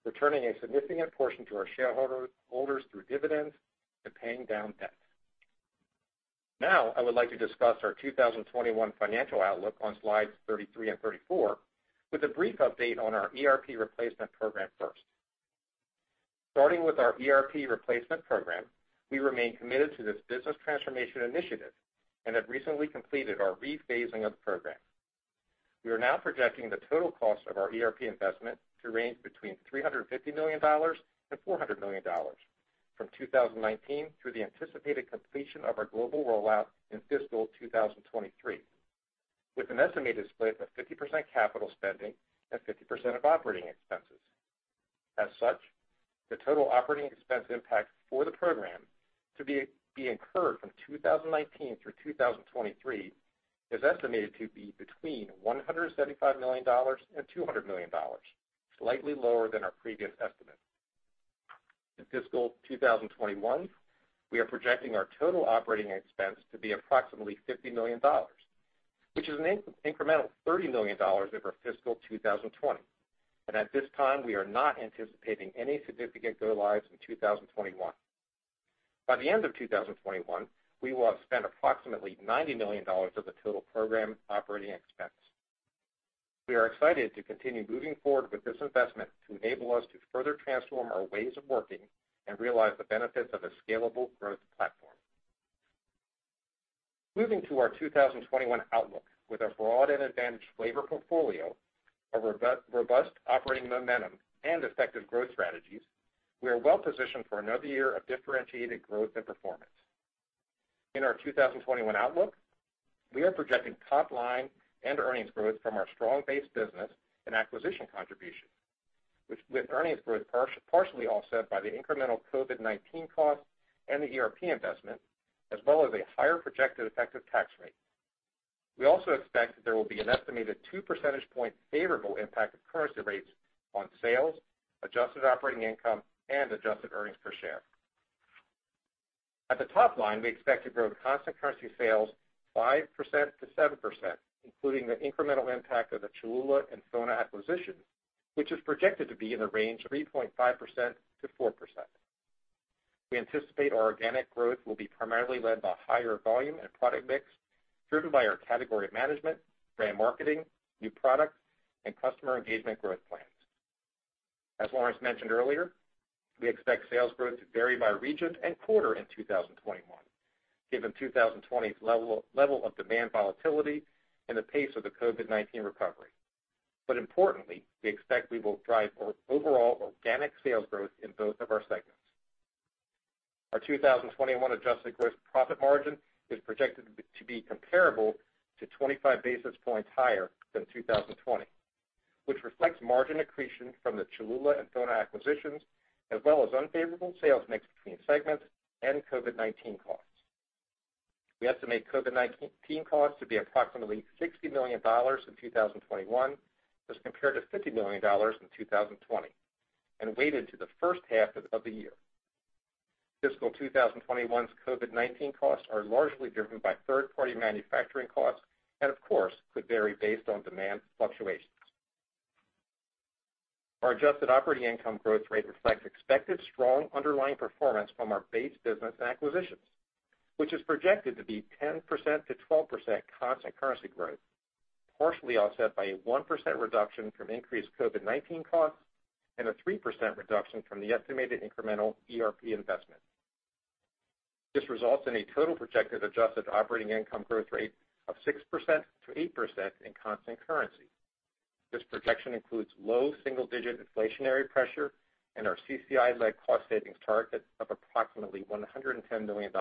returning a significant portion to our shareholders through dividends and paying down debt. Now, I would like to discuss our 2021 financial outlook on slides 33 and 34 with a brief update on our ERP replacement program first. Starting with our ERP replacement program, we remain committed to this business transformation initiative and have recently completed our re-phasing of the program. We are now projecting the total cost of our ERP investment to range between $350 million-$400 million from 2019 through the anticipated completion of our global rollout in fiscal 2023, with an estimated split of 50% capital spending and 50% of operating expenses. As such, the total operating expense impact for the program to be incurred from 2019 through 2023 is estimated to be between $175 million-$200 million, slightly lower than our previous estimate. In fiscal 2021, we are projecting our total operating expense to be approximately $50 million, which is an incremental $30 million over fiscal 2020. At this time, we are not anticipating any significant go-lives in 2021. By the end of 2021, we will have spent approximately $90 million of the total program operating expense. We are excited to continue moving forward with this investment to enable us to further transform our ways of working and realize the benefits of a scalable growth platform. Moving to our 2021 outlook with our broad and advantaged flavor portfolio, our robust operating momentum, and effective growth strategies, we are well positioned for another year of differentiated growth and performance. In our 2021 outlook, we are projecting top-line and earnings growth from our strong base business and acquisition contribution, with earnings growth partially offset by the incremental COVID-19 costs and the ERP investment, as well as a higher projected effective tax rate. We also expect that there will be an estimated two percentage point favorable impact of currency rates on sales, adjusted operating income, and adjusted earnings per share. At the top line, we expect to grow constant currency sales 5%-7%, including the incremental impact of the Cholula and FONA acquisition, which is projected to be in the range of 3.5%-4%. We anticipate our organic growth will be primarily led by higher volume and product mix driven by our category management, brand marketing, new product, and customer engagement growth plans. As Lawrence mentioned earlier, we expect sales growth to vary by region and quarter in 2021, given 2020's level of demand volatility and the pace of the COVID-19 recovery. Importantly, we expect we will drive overall organic sales growth in both of our segments. Our 2021 adjusted gross profit margin is projected to be comparable to 25 basis points higher than 2020, which reflects margin accretion from the Cholula and FONA acquisitions, as well as unfavorable sales mix between segments and COVID-19 costs. We estimate COVID-19 costs to be approximately $60 million in 2021 as compared to $50 million in 2020 and weighted to the first half of the year. Fiscal 2021's COVID-19 costs are largely driven by third-party manufacturing costs and, of course, could vary based on demand fluctuations. Our adjusted operating income growth rate reflects expected strong underlying performance from our base business and acquisitions, which is projected to be 10%-12% constant currency growth, partially offset by a 1% reduction from increased COVID-19 costs and a 3% reduction from the estimated incremental ERP investment. This results in a total projected adjusted operating income growth rate of 6%-8% in constant currency. This projection includes low single-digit inflationary pressure and our CCI-led cost savings targets of approximately $110 million.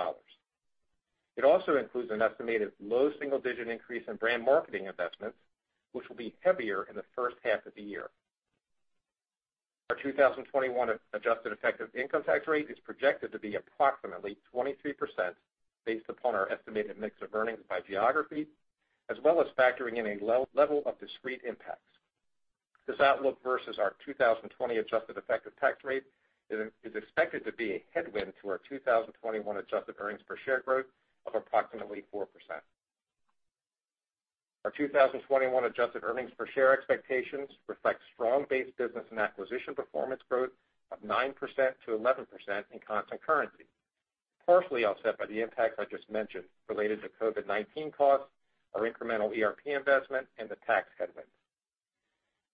It also includes an estimated low single-digit increase in brand marketing investments, which will be heavier in the first half of the year. Our 2021 adjusted effective income tax rate is projected to be approximately 23% based upon our estimated mix of earnings by geography, as well as factoring in a level of discrete impacts. This outlook versus our 2020 adjusted effective tax rate is expected to be a headwind to our 2021 adjusted earnings per share growth of approximately 4%. Our 2021 adjusted earnings per share expectations reflect strong base business and acquisition performance growth of 9%-11% in constant currency, partially offset by the impacts I just mentioned related to COVID-19 costs, our incremental ERP investment, and the tax headwind.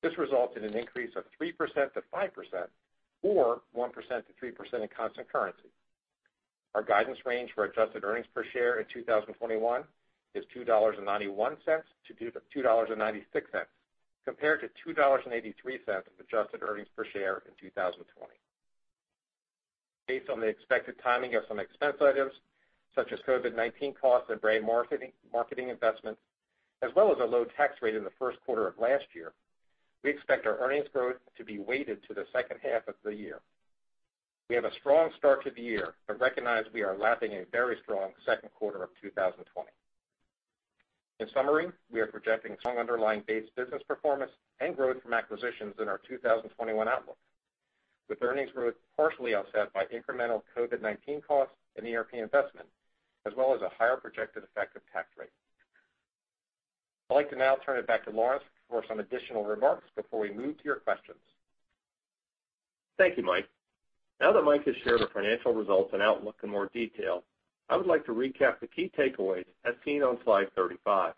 This results in an increase of 3%-5%, or 1%-3% in constant currency. Our guidance range for adjusted earnings per share in 2021 is $2.91-$2.96, compared to $2.83 of adjusted earnings per share in 2020. Based on the expected timing of some expense items, such as COVID-19 costs and brand marketing investments, as well as a low tax rate in the first quarter of last year, we expect our earnings growth to be weighted to the second half of the year. We have a strong start to the year, recognize we are lapping a very strong second quarter of 2020. In summary, we are projecting strong underlying base business performance and growth from acquisitions in our 2021 outlook, with earnings growth partially offset by incremental COVID-19 costs and ERP investment, as well as a higher projected effective tax rate. I'd like to now turn it back to Lawrence for some additional remarks before we move to your questions. Thank you, Mike. Now that Mike has shared our financial results and outlook in more detail, I would like to recap the key takeaways as seen on slide 35.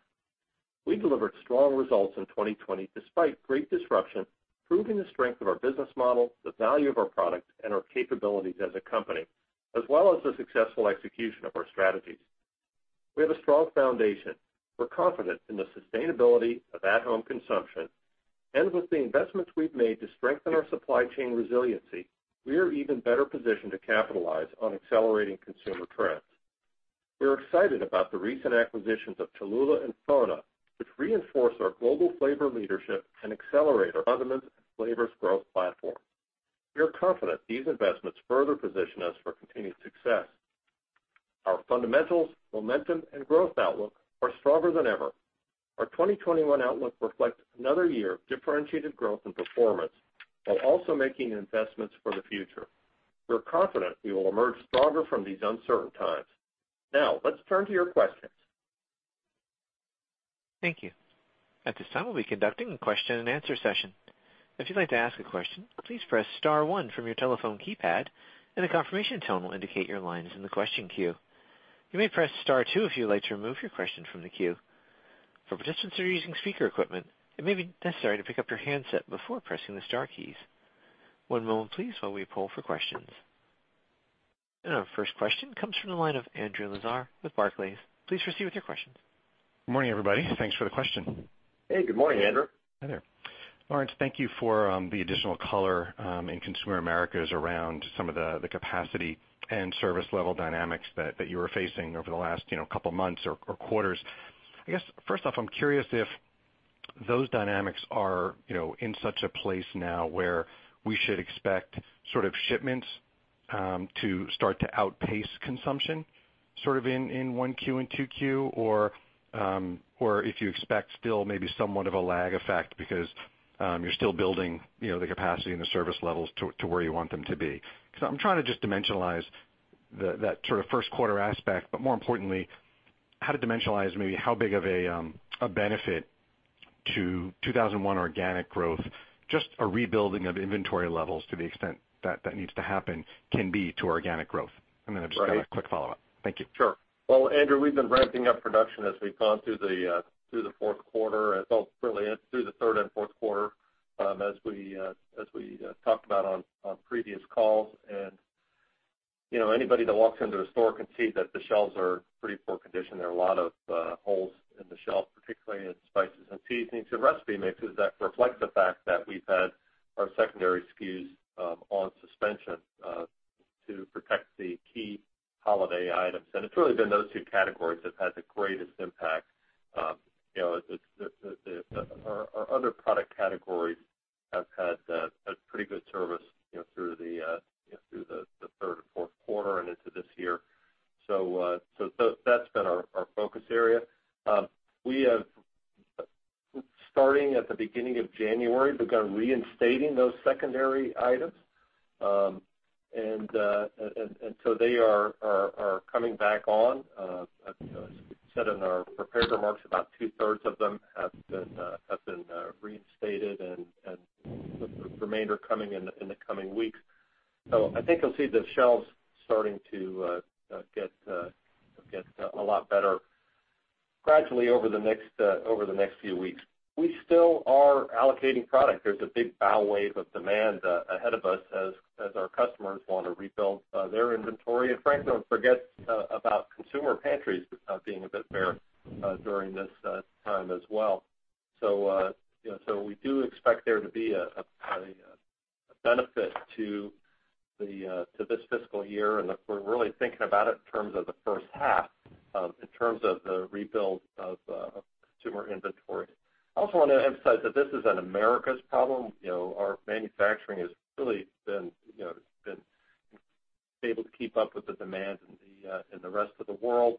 We delivered strong results in 2020 despite great disruption, proving the strength of our business model, the value of our products, and our capabilities as a company, as well as the successful execution of our strategies. We have a strong foundation. We're confident in the sustainability of at-home consumption. With the investments we've made to strengthen our supply chain resiliency, we are even better positioned to capitalize on accelerating consumer trends. We're excited about the recent acquisitions of Cholula and FONA, which reinforce our global flavor leadership and accelerate our fundamentals and flavors growth platform. We are confident these investments further position us for continued success. Our fundamentals, momentum, and growth outlook are stronger than ever. Our 2021 outlook reflects another year of differentiated growth and performance while also making investments for the future. We're confident we will emerge stronger from these uncertain times. Now, let's turn to your questions. Thank you. At this time, we'll be conducting a question and answer session. If you'd like to ask a question, please press star one from your telephone keypad, and a confirmation tone will indicate your line is in the question queue. You may press star two if you would like to remove your question from the queue. For participants who are using speaker equipment, it may be necessary to pick up your handset before pressing the star keys. One moment, please, while we poll for questions. Our first question comes from the line of Andrew Lazar with Barclays. Please proceed with your questions. Good morning, everybody. Thanks for the question. Hey, good morning, Andrew. Hi there. Lawrence, thank you for the additional color in consumer Americas around some of the capacity and service level dynamics that you were facing over the last couple months or quarters. I guess, first off, I'm curious if those dynamics are in such a place now where we should expect shipments to start to outpace consumption in 1Q and 2Q, or if you expect still maybe somewhat of a lag effect because you're still building the capacity and the service levels to where you want them to be. I'm trying to just dimensionalize that first quarter aspect, but more importantly, how to dimensionalize maybe how big of a benefit to 2021 organic growth, just a rebuilding of inventory levels to the extent that needs to happen can be to organic growth. I've just got a quick follow-up. Thank you. Sure. Well, Andrew, we've been ramping up production as we've gone through the fourth quarter, well, really through the third and fourth quarter, as we talked about on previous calls. Anybody that walks into a store can see that the shelves are pretty poor condition. There are a lot of holes in the shelf, particularly in spices and seasonings and recipe mixes that reflect the fact that we've had our secondary SKUs on suspension to protect the key holiday items. It's really been those two categories that have had the greatest impact. Our other product categories have had pretty good service through the third and fourth quarter and into this year. That's been our focus area. Starting at the beginning of January, we've begun reinstating those secondary items. They are coming back on. As I said in our prepared remarks, about 2/3 of them have been reinstated, and the remainder coming in the coming weeks. I think you'll see the shelves starting to get a lot better gradually over the next few weeks. We still are allocating product. There's a big bow wave of demand ahead of us as our customers want to rebuild their inventory. Frankly, don't forget about consumer pantries being a bit bare during this time as well. We do expect there to be a benefit to this fiscal year, and we're really thinking about it in terms of the first half, in terms of the rebuild of consumer inventory. I also want to emphasize that this is an Americas problem. Our manufacturing has really been able to keep up with the demand in the rest of the world.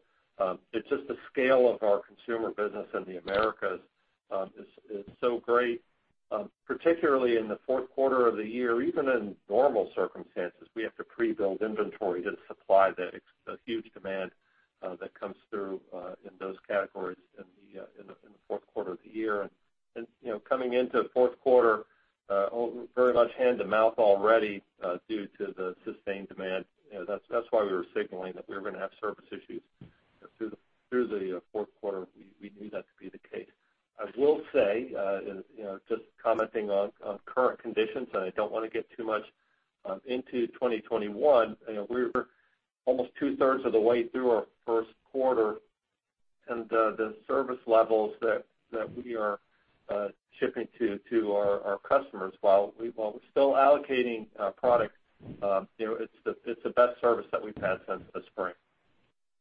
It's just the scale of our consumer business in the Americas is so great. Particularly in the fourth quarter of the year, even in normal circumstances, we have to pre-build inventory to supply the huge demand that comes through in those categories in the fourth quarter of the year. Coming into fourth quarter, very much hand-to-mouth already due to the sustained demand. That's why we were signaling that we were going to have service issues through the fourth quarter. We knew that to be the case. I will say, just commenting on current conditions, and I don't want to get too much into 2021. We're almost two-thirds of the way through our first quarter, and the service levels that we are shipping to our customers, while we're still allocating product, it's the best service that we've had since the spring.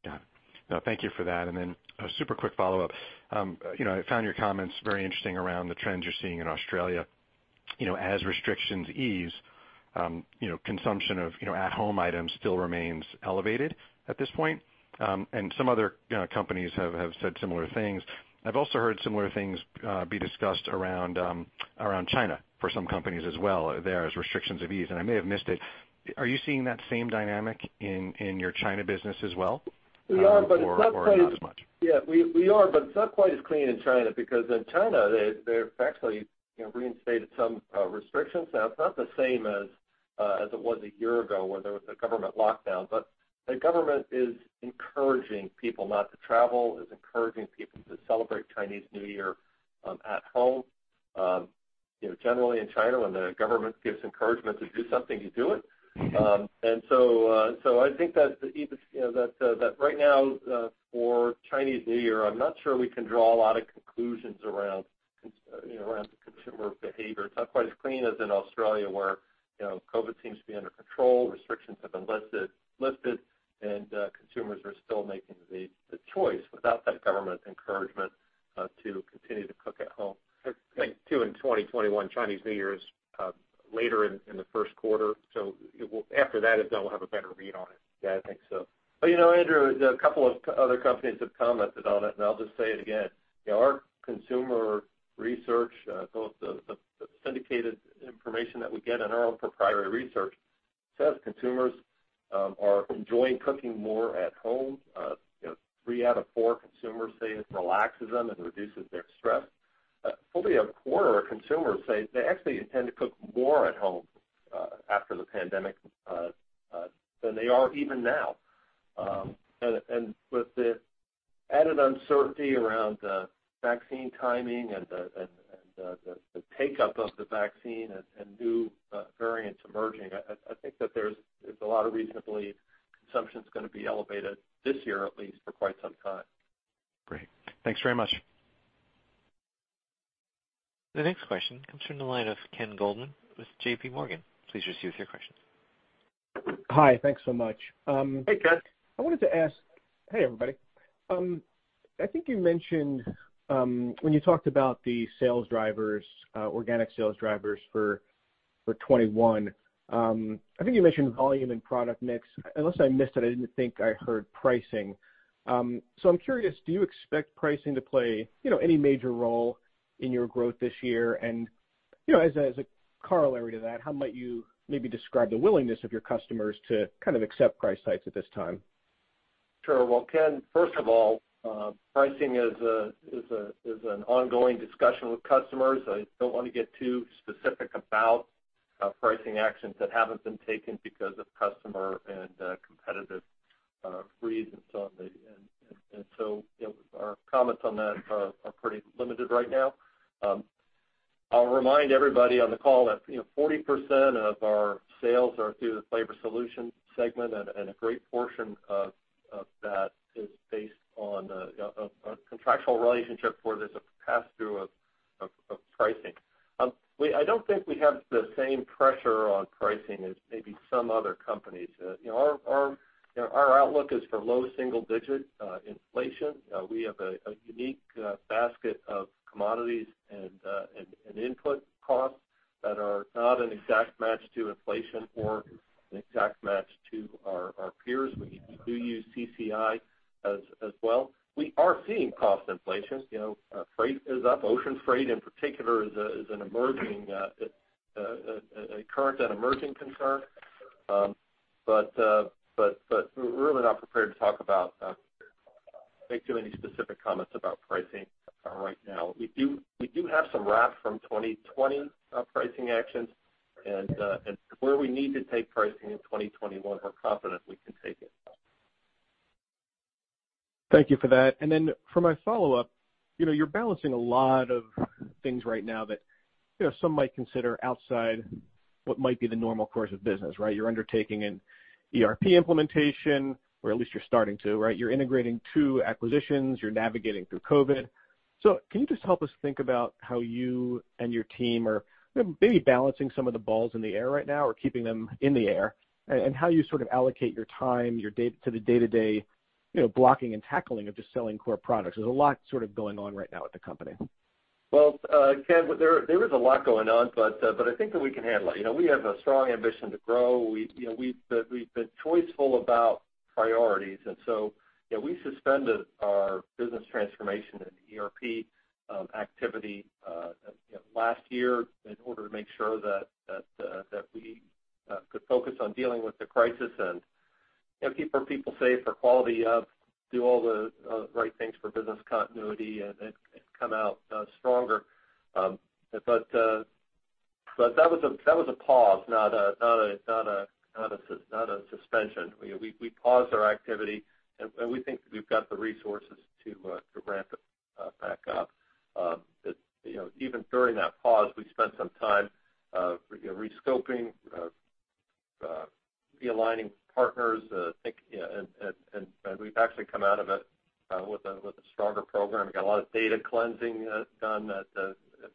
Got it. No, thank you for that. A super quick follow-up. I found your comments very interesting around the trends you're seeing in Australia. As restrictions ease, consumption of at-home items still remains elevated at this point. Some other companies have said similar things. I've also heard similar things be discussed around China for some companies as well there, as restrictions have eased. I may have missed it, are you seeing that same dynamic in your China business as well? We are, but it's not quite. Not as much? We are, but it's not quite as clean in China because in China, they've actually reinstated some restrictions. Now, it's not the same as it was a year ago when there was a government lockdown. The government is encouraging people not to travel, is encouraging people to celebrate Chinese New Year at home. Generally, in China, when the government gives encouragement to do something, you do it. I think that right now for Chinese New Year, I'm not sure we can draw a lot of conclusions around the consumer behavior. It's not quite as clean as in Australia where COVID seems to be under control, restrictions have been lifted, and consumers are still making the choice without that government encouragement to continue to cook at home. I think, too, in 2021, Chinese New Year is later in the first quarter, so after that is done, we'll have a better read on it. Yeah, I think so. Andrew, a couple of other companies have commented on it, and I'll just say it again. Our consumer research, both the syndicated information that we get and our own proprietary research, says consumers are enjoying cooking more at home. Three out of four consumers say it relaxes them and reduces their stress. Fully a quarter of consumers say they actually intend to cook more at home after the pandemic than they are even now. With the added uncertainty around vaccine timing and the take-up of the vaccine and new variants emerging, I think that there's a lot of reason to believe consumption's gonna be elevated this year, at least, for quite some time. Great. Thanks very much. The next question comes from the line of Ken Goldman with JPMorgan. Please proceed with your question. Hi. Thanks so much. Hey, Ken. Hey, everybody. I think you mentioned when you talked about the organic sales drivers for 2021, I think you mentioned volume and product mix. Unless I missed it, I didn't think I heard pricing. So I'm curious, do you expect pricing to play any major role in your growth this year? As a corollary to that, how might you maybe describe the willingness of your customers to kind of accept price hikes at this time? Sure. Well, Ken, first of all, pricing is an ongoing discussion with customers. I don't want to get too specific about pricing actions that haven't been taken because of customer and competitive reasons. Our comments on that are pretty limited right now. I'll remind everybody on the call that 40% of our sales are through the Flavor Solutions segment, and a great portion of that is based on a contractual relationship where there's a pass-through of pricing. I don't think we have the same pressure on pricing as maybe some other companies. Our outlook is for low single-digit inflation. We have a unique basket of commodities and input costs that are not an exact match to inflation or an exact match to our peers. We do use CCI as well. We are seeing cost inflation. Freight is up. Ocean freight, in particular, is a current and emerging concern. We're really not prepared to make too many specific comments about pricing right now. We do have some wrap from 2020 pricing actions, and where we need to take pricing in 2021, we're confident we can take it. Thank you for that. For my follow-up, you're balancing a lot of things right now that some might consider outside what might be the normal course of business, right? You're undertaking an ERP implementation, or at least you're starting to, right? You're integrating two acquisitions. You're navigating through COVID. Can you just help us think about how you and your team are maybe balancing some of the balls in the air right now, or keeping them in the air, and how you sort of allocate your time, your day to the day-to-day blocking and tackling of just selling core products? There's a lot sort of going on right now with the company. Ken, there is a lot going on, but I think that we can handle it. We have a strong ambition to grow. We've been choiceful about priorities. We suspended our business transformation and ERP activity last year in order to make sure that we could focus on dealing with the crisis and keep our people safe, for quality, do all the right things for business continuity and come out stronger. That was a pause, not a suspension. We paused our activity, and we think we've got the resources to ramp it back up. Even during that pause, we spent some time rescoping, realigning partners, and we've actually come out of it with a stronger program. We got a lot of data cleansing done that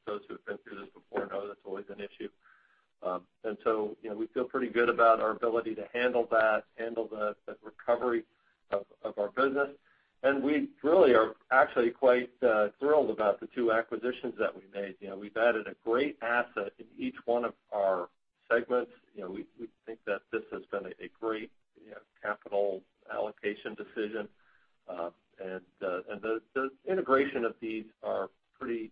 those who have been through this before know that's always an issue. We feel pretty good about our ability to handle that, handle the recovery of our business. We really are actually quite thrilled about the two acquisitions that we made. We've added a great asset in each one of our segments. We think that this has been a great capital allocation decision. The integration of these are pretty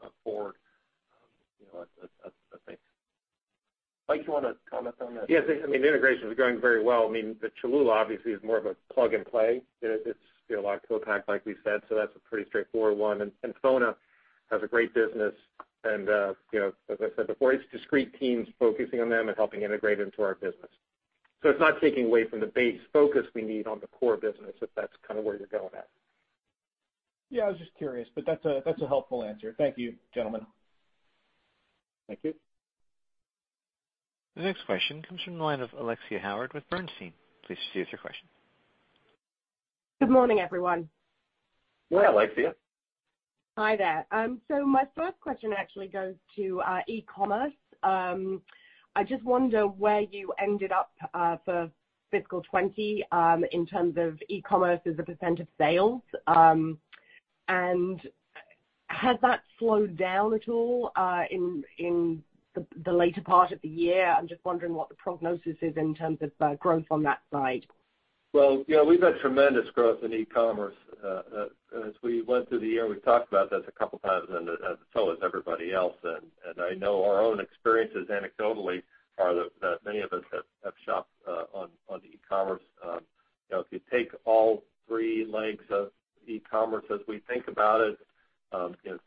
straightforward, I think. Mike, you want to comment on that? Yes. I mean, the integration is going very well. I mean, the Cholula obviously is more of a plug-and-play. It's low tech, like we said, so that's a pretty straightforward one. FONA has a great business and as I said before, it's discrete teams focusing on them and helping integrate into our business. It's not taking away from the base focus we need on the core business, if that's kind of where you're going at. Yeah, I was just curious, but that's a helpful answer. Thank you, gentlemen. Thank you. The next question comes from the line of Alexia Howard with Bernstein. Please proceed with your question. Good morning, everyone. Good morning, Alexia. Hi there. My first question actually goes to e-commerce. I just wonder where you ended up for fiscal 2020, in terms of e-commerce as a percentage of sales. Has that slowed down at all in the later part of the year? I am just wondering what the prognosis is in terms of growth on that side. Well, we've had tremendous growth in e-commerce. As we went through the year, we've talked about this a couple times, and so has everybody else. I know our own experiences anecdotally are that many of us have shopped on the e-commerce. If you take all three legs of e-commerce as we think about it,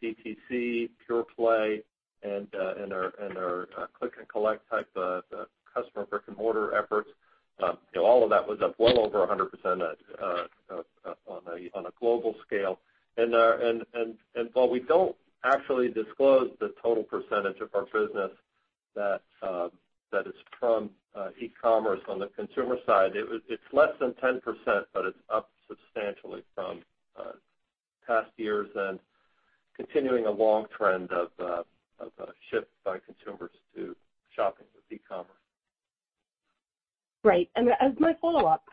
DTC, pure play, and our click and collect type customer brick-and-mortar efforts, all of that was up well over 100% on a global scale. While we don't actually disclose the total percentage of our business that is from e-commerce on the consumer side, it's less than 10%, but it's up substantially from past years and continuing a long trend of a shift by consumers to shopping with e-commerce. Great. As my follow-up,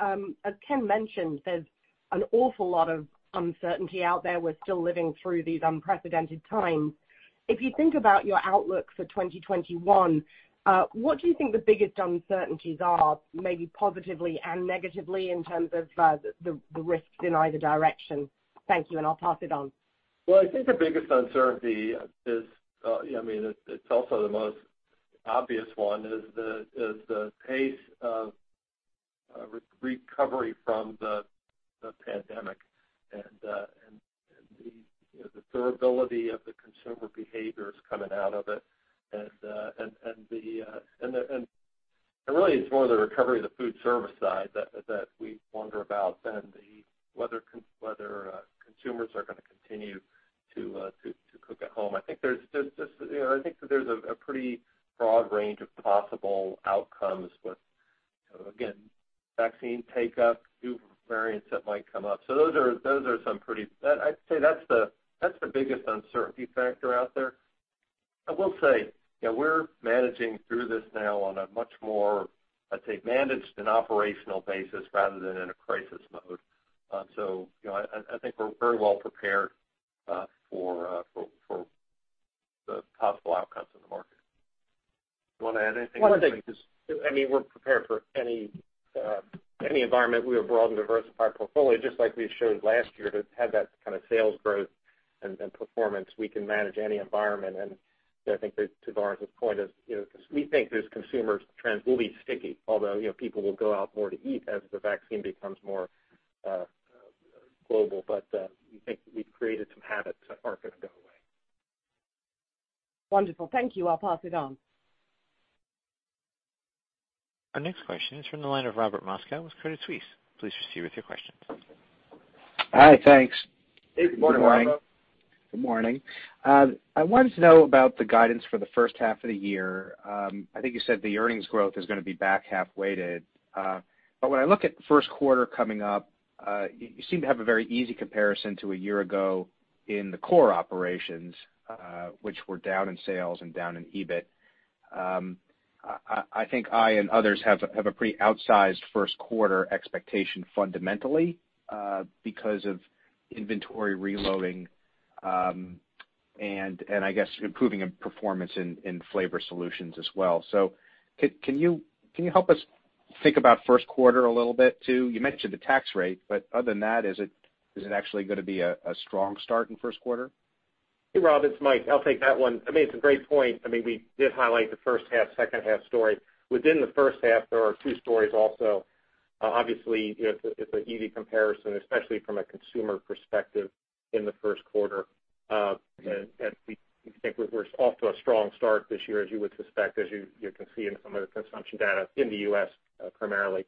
as Ken mentioned, there's an awful lot of uncertainty out there. We're still living through these unprecedented times. If you think about your outlook for 2021, what do you think the biggest uncertainties are, maybe positively and negatively, in terms of the risks in either direction? Thank you, and I'll pass it on. Well, I think the biggest uncertainty is, I mean, it's also the most obvious one, is the pace of recovery from the pandemic and the durability of the consumer behaviors coming out of it. Really, it's more the recovery of the food service side that we wonder about than whether consumers are going to continue to cook at home. I think there's a pretty broad range of possible outcomes. Again, vaccine take-up, new variants that might come up. I'd say that's the biggest uncertainty factor out there. I will say, we're managing through this now on a much more, I'd say, managed and operational basis rather than in a crisis mode. I think we're very well prepared for the possible outcomes in the market. You want to add anything, Mike? One of the things is, we're prepared for any environment. We have broad and diversified portfolio, just like we showed last year, that had that kind of sales growth and performance. We can manage any environment. I think that to Lawrence's point is, we think these consumer trends will be sticky, although, people will go out more to eat as the vaccine becomes more global. We think we've created some habits that aren't going to go away. Wonderful. Thank you. I'll pass it on. Our next question is from the line of Robert Moskow with Credit Suisse. Please proceed with your question. Hi, thanks. Hey, good morning, Robert. Good morning. Good morning. I wanted to know about the guidance for the first half of the year. I think you said the earnings growth is going to be back half weighted. When I look at the first quarter coming up, you seem to have a very easy comparison to a year ago in the core operations, which were down in sales and down in EBIT. I think I and others have a pretty outsized first quarter expectation fundamentally, because of inventory reloading, and I guess improving performance in Flavor Solutions as well. Can you help us think about first quarter a little bit too? You mentioned the tax rate, but other than that, is it actually going to be a strong start in first quarter? Hey, Rob, it's Mike. I'll take that one. It's a great point. We did highlight the first half, second half story. Within the first half, there are two stories also. Obviously, it's an easy comparison, especially from a consumer perspective in the first quarter. We think we're off to a strong start this year, as you would suspect, as you can see in some of the consumption data in the U.S. primarily.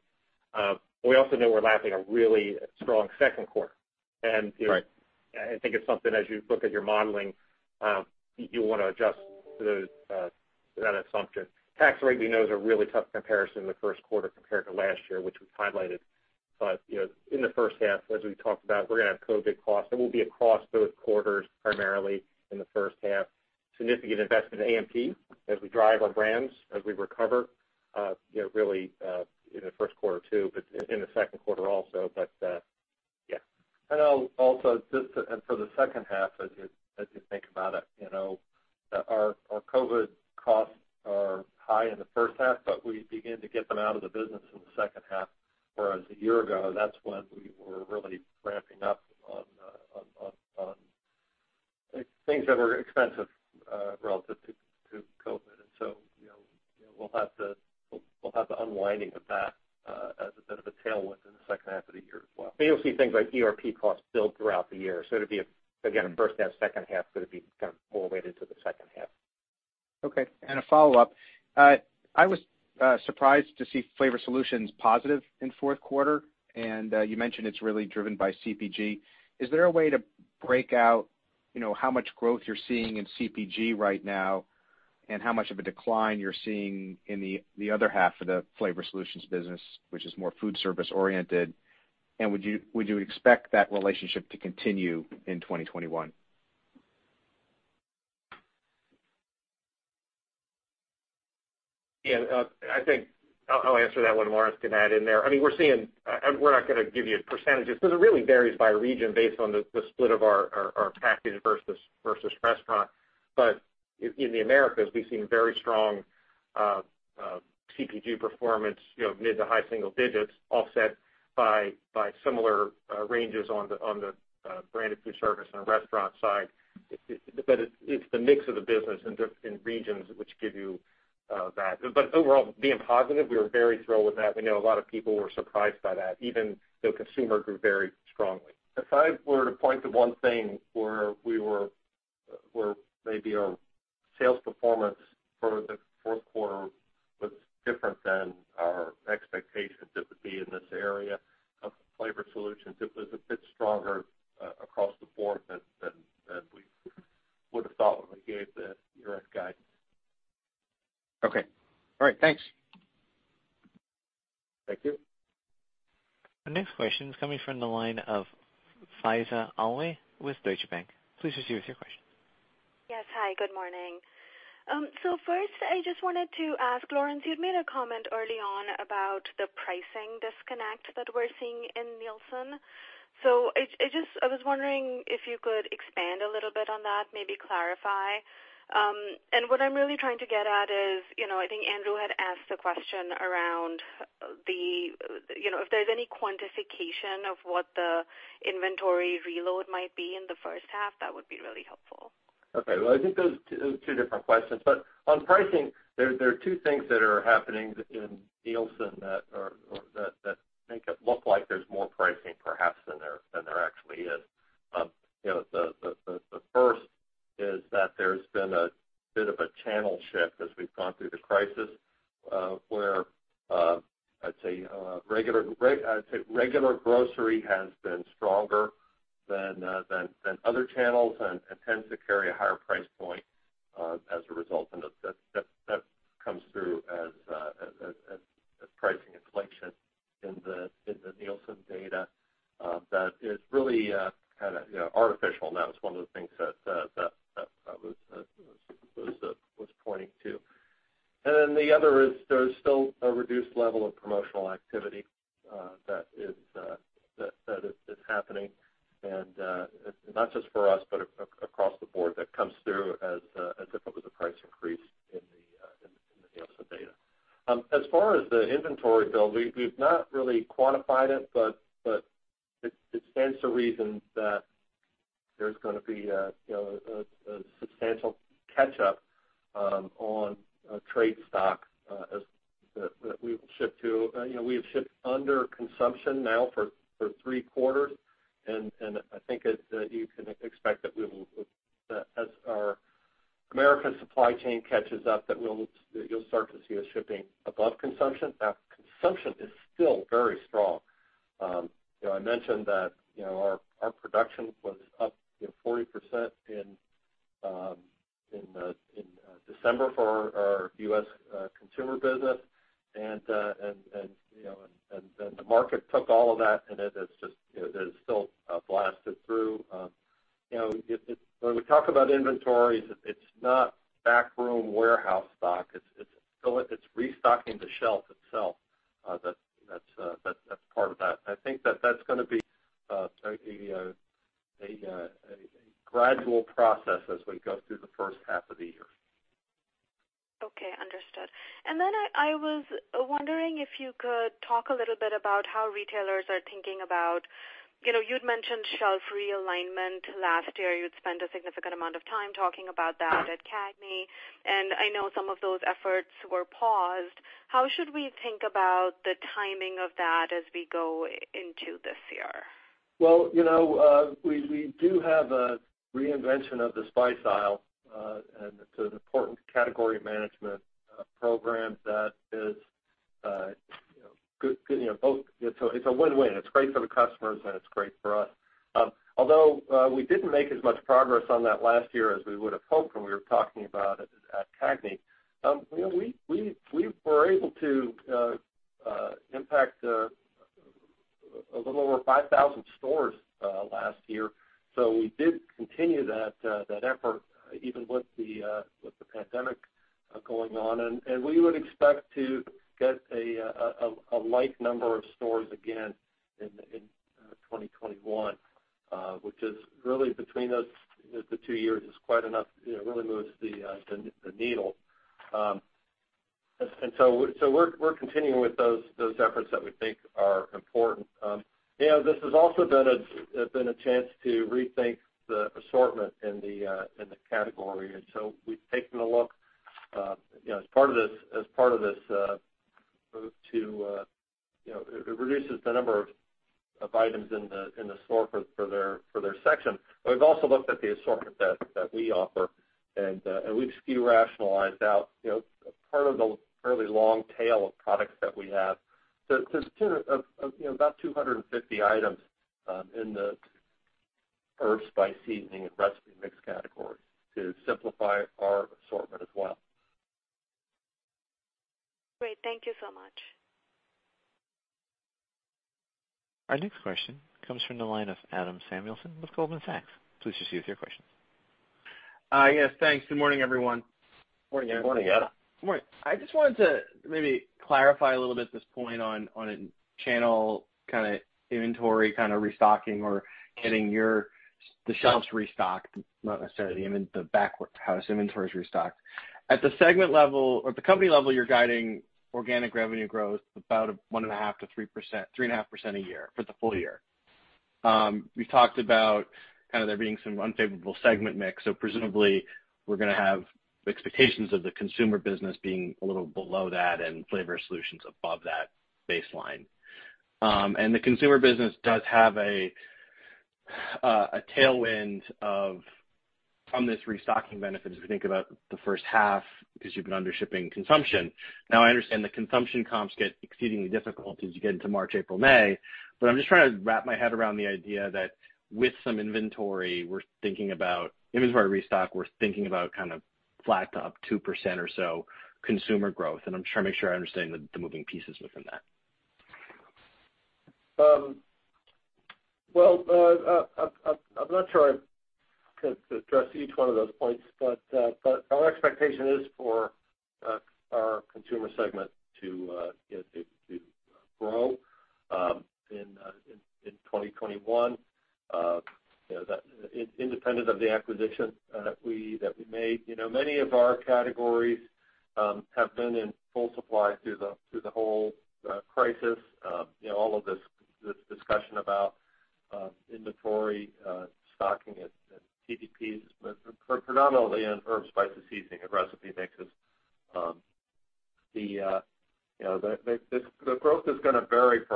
We also know we're lapping a really strong second quarter. Right. I think it's something as you look at your modeling, you'll want to adjust to that assumption. Tax rate we know is a really tough comparison in the first quarter compared to last year, which we've highlighted. In the first half, as we talked about, we're going to have COVID costs that will be across both quarters, primarily in the first half. Significant investment in A&P as we drive our brands, as we recover, really, in the first quarter too, but in the second quarter also. Also, just for the second half, as you think about it, our COVID costs are high in the first half, but we begin to get them out of the business in the second half, whereas a year ago, that's when we were really ramping up on things that were expensive, relative to COVID. We'll have the unwinding of that as a bit of a tailwind in the second half of the year as well. You'll see things like ERP costs build throughout the year. It'll be, again, a first half, second half, but it'd be more weighted to the second half. Okay. A follow-up. I was surprised to see Flavor Solutions positive in fourth quarter, and you mentioned it's really driven by CPG. Is there a way to break out how much growth you're seeing in CPG right now, and how much of a decline you're seeing in the other half of the Flavor Solutions business, which is more food service oriented? Would you expect that relationship to continue in 2021? Yeah. I think I'll answer that one, Lawrence can add in there. We're not going to give you percentage because it really varies by region based on the split of our packaged versus restaurant. In the Americas, we've seen very strong CPG performance, mid to high single digits offset by similar ranges on the branded food service and restaurant side. It's the mix of the business in regions which give you that. Overall, being positive, we were very thrilled with that. We know a lot of people were surprised by that. Even though consumer grew very strongly. If I were to point to one thing where maybe our sales performance for the fourth quarter was different than our expectations, it would be in this area of Flavor Solutions. It was a bit stronger across the board than we would've thought when we gave the earnings guidance. Okay. All right. Thanks. Thank you. Our next question is coming from the line of Faiza Alwy with Deutsche Bank. Please proceed with your question. Yes. Hi, good morning. First I just wanted to ask Lawrence, you'd made a comment early on about the pricing disconnect that we're seeing in Nielsen. I was wondering if you could expand a little bit on that, maybe clarify. What I'm really trying to get at is, I think Andrew had asked the question around if there's any quantification of what the inventory reload might be in the first half, that would be really helpful. Well, I think those are two different questions. On pricing, there are two things that are happening in Nielsen that make it look like there's more pricing perhaps than there actually is. The first is that there's been a bit of a channel shift as we've gone through the crisis, where I'd say regular grocery has been stronger than other channels and tends to carry a higher price point as a result. That comes through as pricing inflation in the Nielsen data that is really kind of artificial. That was one of the things that I was pointing to. The other is there's still a reduced level of promotional activity that is happening, and not just for us, but across the board, that comes through as if it was a price increase in the Nielsen data. As far as the inventory build, we've not really quantified it, but it stands to reason that there's going to be a substantial catch-up on trade stock that we will ship to. We have shipped under consumption now for three quarters. I think that you can expect that as our U.S. supply chain catches up, that you'll start to see us shipping above consumption. Although we didn't make as much progress on that last year as we would've hoped when we were talking about it at CAGNY. We were able to impact a little over 5,000 stores last year. We did continue that effort even with the pandemic going on. We would expect to get a like number of stores again in 2021, which is really between those two years is quite enough. It really moves the needle. We're continuing with those efforts that we think are important. This has also been a chance to rethink the assortment in the category. We've taken a look as part of this move to reduce the number of items in the store for their section. We've also looked at the assortment that we offer, and we've SKU rationalized out part of the fairly long tail of products that we have. There's about 250 items in the herbs, spice, seasoning, and recipe mix category to simplify our assortment as well. Great. Thank you so much. Our next question comes from the line of Adam Samuelson with Goldman Sachs. Please proceed with your question. Yes, thanks. Good morning, everyone. Morning, Adam. Good morning. Good morning. I just wanted to maybe clarify a little bit this point on channel inventory restocking or getting the shelves restocked, not necessarily the back house inventories restocked. At the segment level or at the company level, you're guiding organic revenue growth about 1.5%-3.5% a year for the full year. You've talked about there being some unfavorable segment mix, so presumably we're going to have expectations of the Consumer Business being a little below that and Flavor Solutions above that baseline. The Consumer Business does have a tailwind from this restocking benefit, as we think about the first half, because you've been under shipping consumption. I understand the consumption comps get exceedingly difficult as you get into March, April, May. I'm just trying to wrap my head around the idea that with some inventory restock, we're thinking about kind of flat to up 2% or so consumer growth. I'm just trying to make sure I understand the moving pieces within that. Well, I am not sure I can address each one of those points, but our expectation is for our Consumer segment to grow in 2021 independent of the acquisition that we made. Many of our categories have been in full supply through the whole crisis. All of this discussion about inventory stocking at TDPs, predominantly in herbs, spices, seasoning, and recipe mixes. The growth is going to vary from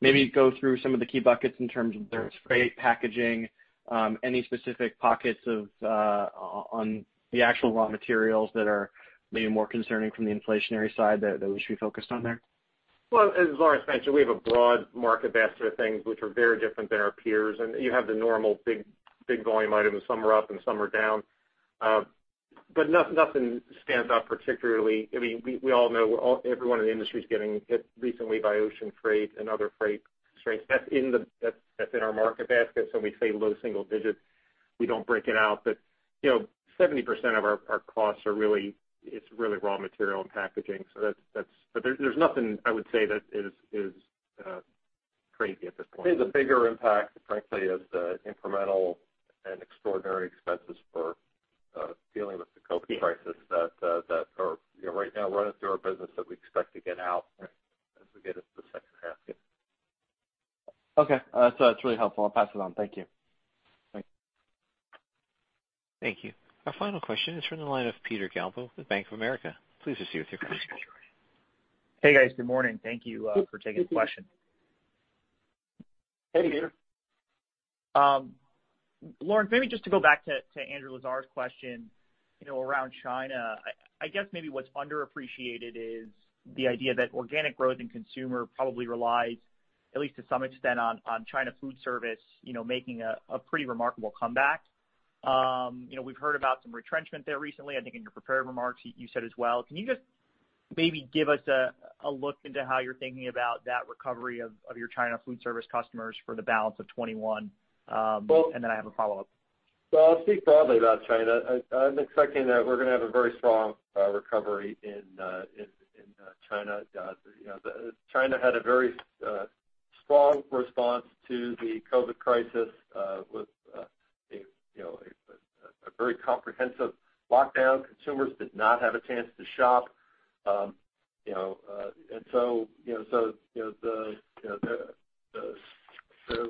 maybe go through some of the key buckets in terms of freight, packaging, any specific pockets on the actual raw materials that are maybe more concerning from the inflationary side that we should be focused on there? As Lawrence mentioned, we have a broad market basket of things which are very different than our peers, and you have the normal big volume items. Some are up and some are down. Nothing stands out particularly. We all know everyone in the industry is getting hit recently by ocean freight and other freight strains. That's in our market basket, so when we say low single digits, we don't break it out. 70% of our costs, it's really raw material and packaging. There's nothing I would say that is crazy at this point. I think the bigger impact, frankly, is the incremental and extraordinary expenses for dealing with the COVID crisis that are right now running through our business that we expect to get out as we get into the second half. Okay. That's really helpful. I'll pass it on. Thank you. Thanks. Thank you. Our final question is from the line of Peter Galbo with Bank of America. Please proceed with your question. Hey, guys. Good morning. Thank you for taking the question. Hey, Peter. Lawrence, maybe just to go back to Andrew Lazar's question around China. I guess maybe what's underappreciated is the idea that organic growth in consumer probably relies, at least to some extent, on China food service making a pretty remarkable comeback. We've heard about some retrenchment there recently. I think in your prepared remarks, you said as well. Can you just maybe give us a look into how you're thinking about that recovery of your China food service customers for the balance of 2021? Then I have a follow-up. I'll speak broadly about China. I'm expecting that we're going to have a very strong recovery in China. China had a very strong response to the COVID crisis with a very comprehensive lockdown. Consumers did not have a chance to shop. The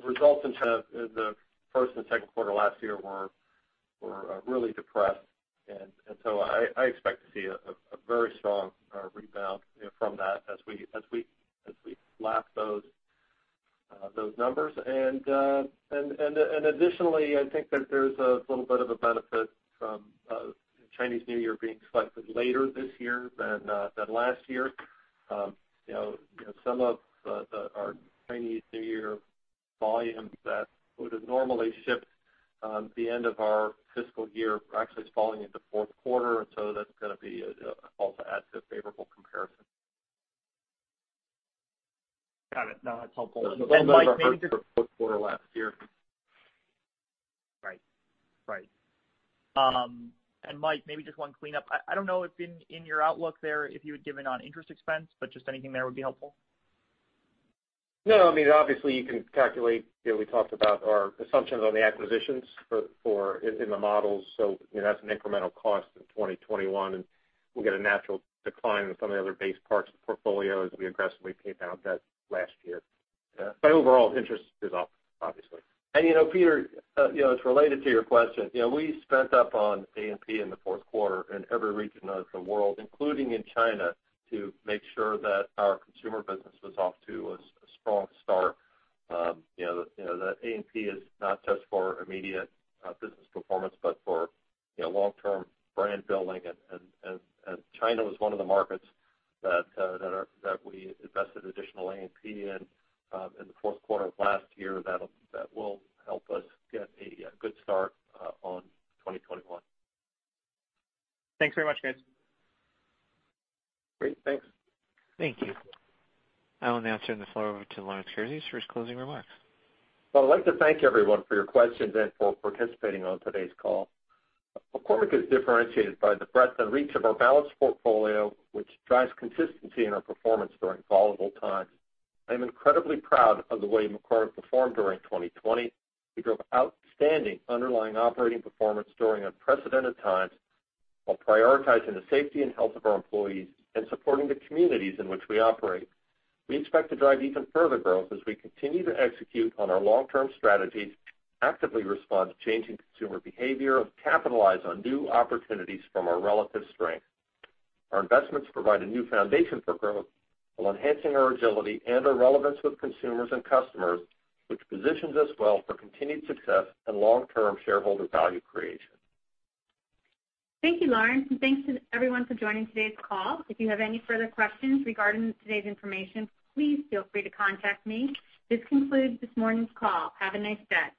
results in China in the first and second quarter last year were really depressed, I expect to see a very strong rebound from that as we lap those numbers. Additionally, I think that there's a little bit of a benefit from Chinese New Year being slightly later this year than last year. Some of our Chinese New Year volumes that would have normally shipped the end of our fiscal year actually is falling into fourth quarter, that's going to be also add to favorable comparison. Got it. No, that's helpful. Mike, For the last year. Right. Mike, maybe just one cleanup. I don't know if in your outlook there if you had given on interest expense, but just anything there would be helpful. Obviously, you can calculate. We talked about our assumptions on the acquisitions in the models. That's an incremental cost in 2021. We'll get a natural decline in some of the other base parts of the portfolio as we aggressively pay down debt last year. Overall interest is up, obviously. Peter, it's related to your question. We spent up on A&P in the fourth quarter in every region of the world, including in China, to make sure that our consumer business was off to a strong start. That A&P is not just for immediate business performance but for long-term brand building. China was one of the markets that we invested additional A&P in the fourth quarter of last year that will help us get a good start on 2021. Thanks very much, guys. Great. Thanks. Thank you. I will now turn the floor over to Lawrence Kurzius for his closing remarks. Well, I'd like to thank everyone for your questions and for participating on today's call. McCormick is differentiated by the breadth and reach of our balanced portfolio, which drives consistency in our performance during volatile times. I'm incredibly proud of the way McCormick performed during 2020. We drove outstanding underlying operating performance during unprecedented times while prioritizing the safety and health of our employees and supporting the communities in which we operate. We expect to drive even further growth as we continue to execute on our long-term strategies, actively respond to changing consumer behavior, capitalize on new opportunities from our relative strength. Our investments provide a new foundation for growth while enhancing our agility and our relevance with consumers and customers, which positions us well for continued success and long-term shareholder value creation. Thank you, Lawrence. Thanks to everyone for joining today's call. If you have any further questions regarding today's information, please feel free to contact me. This concludes this morning's call. Have a nice day.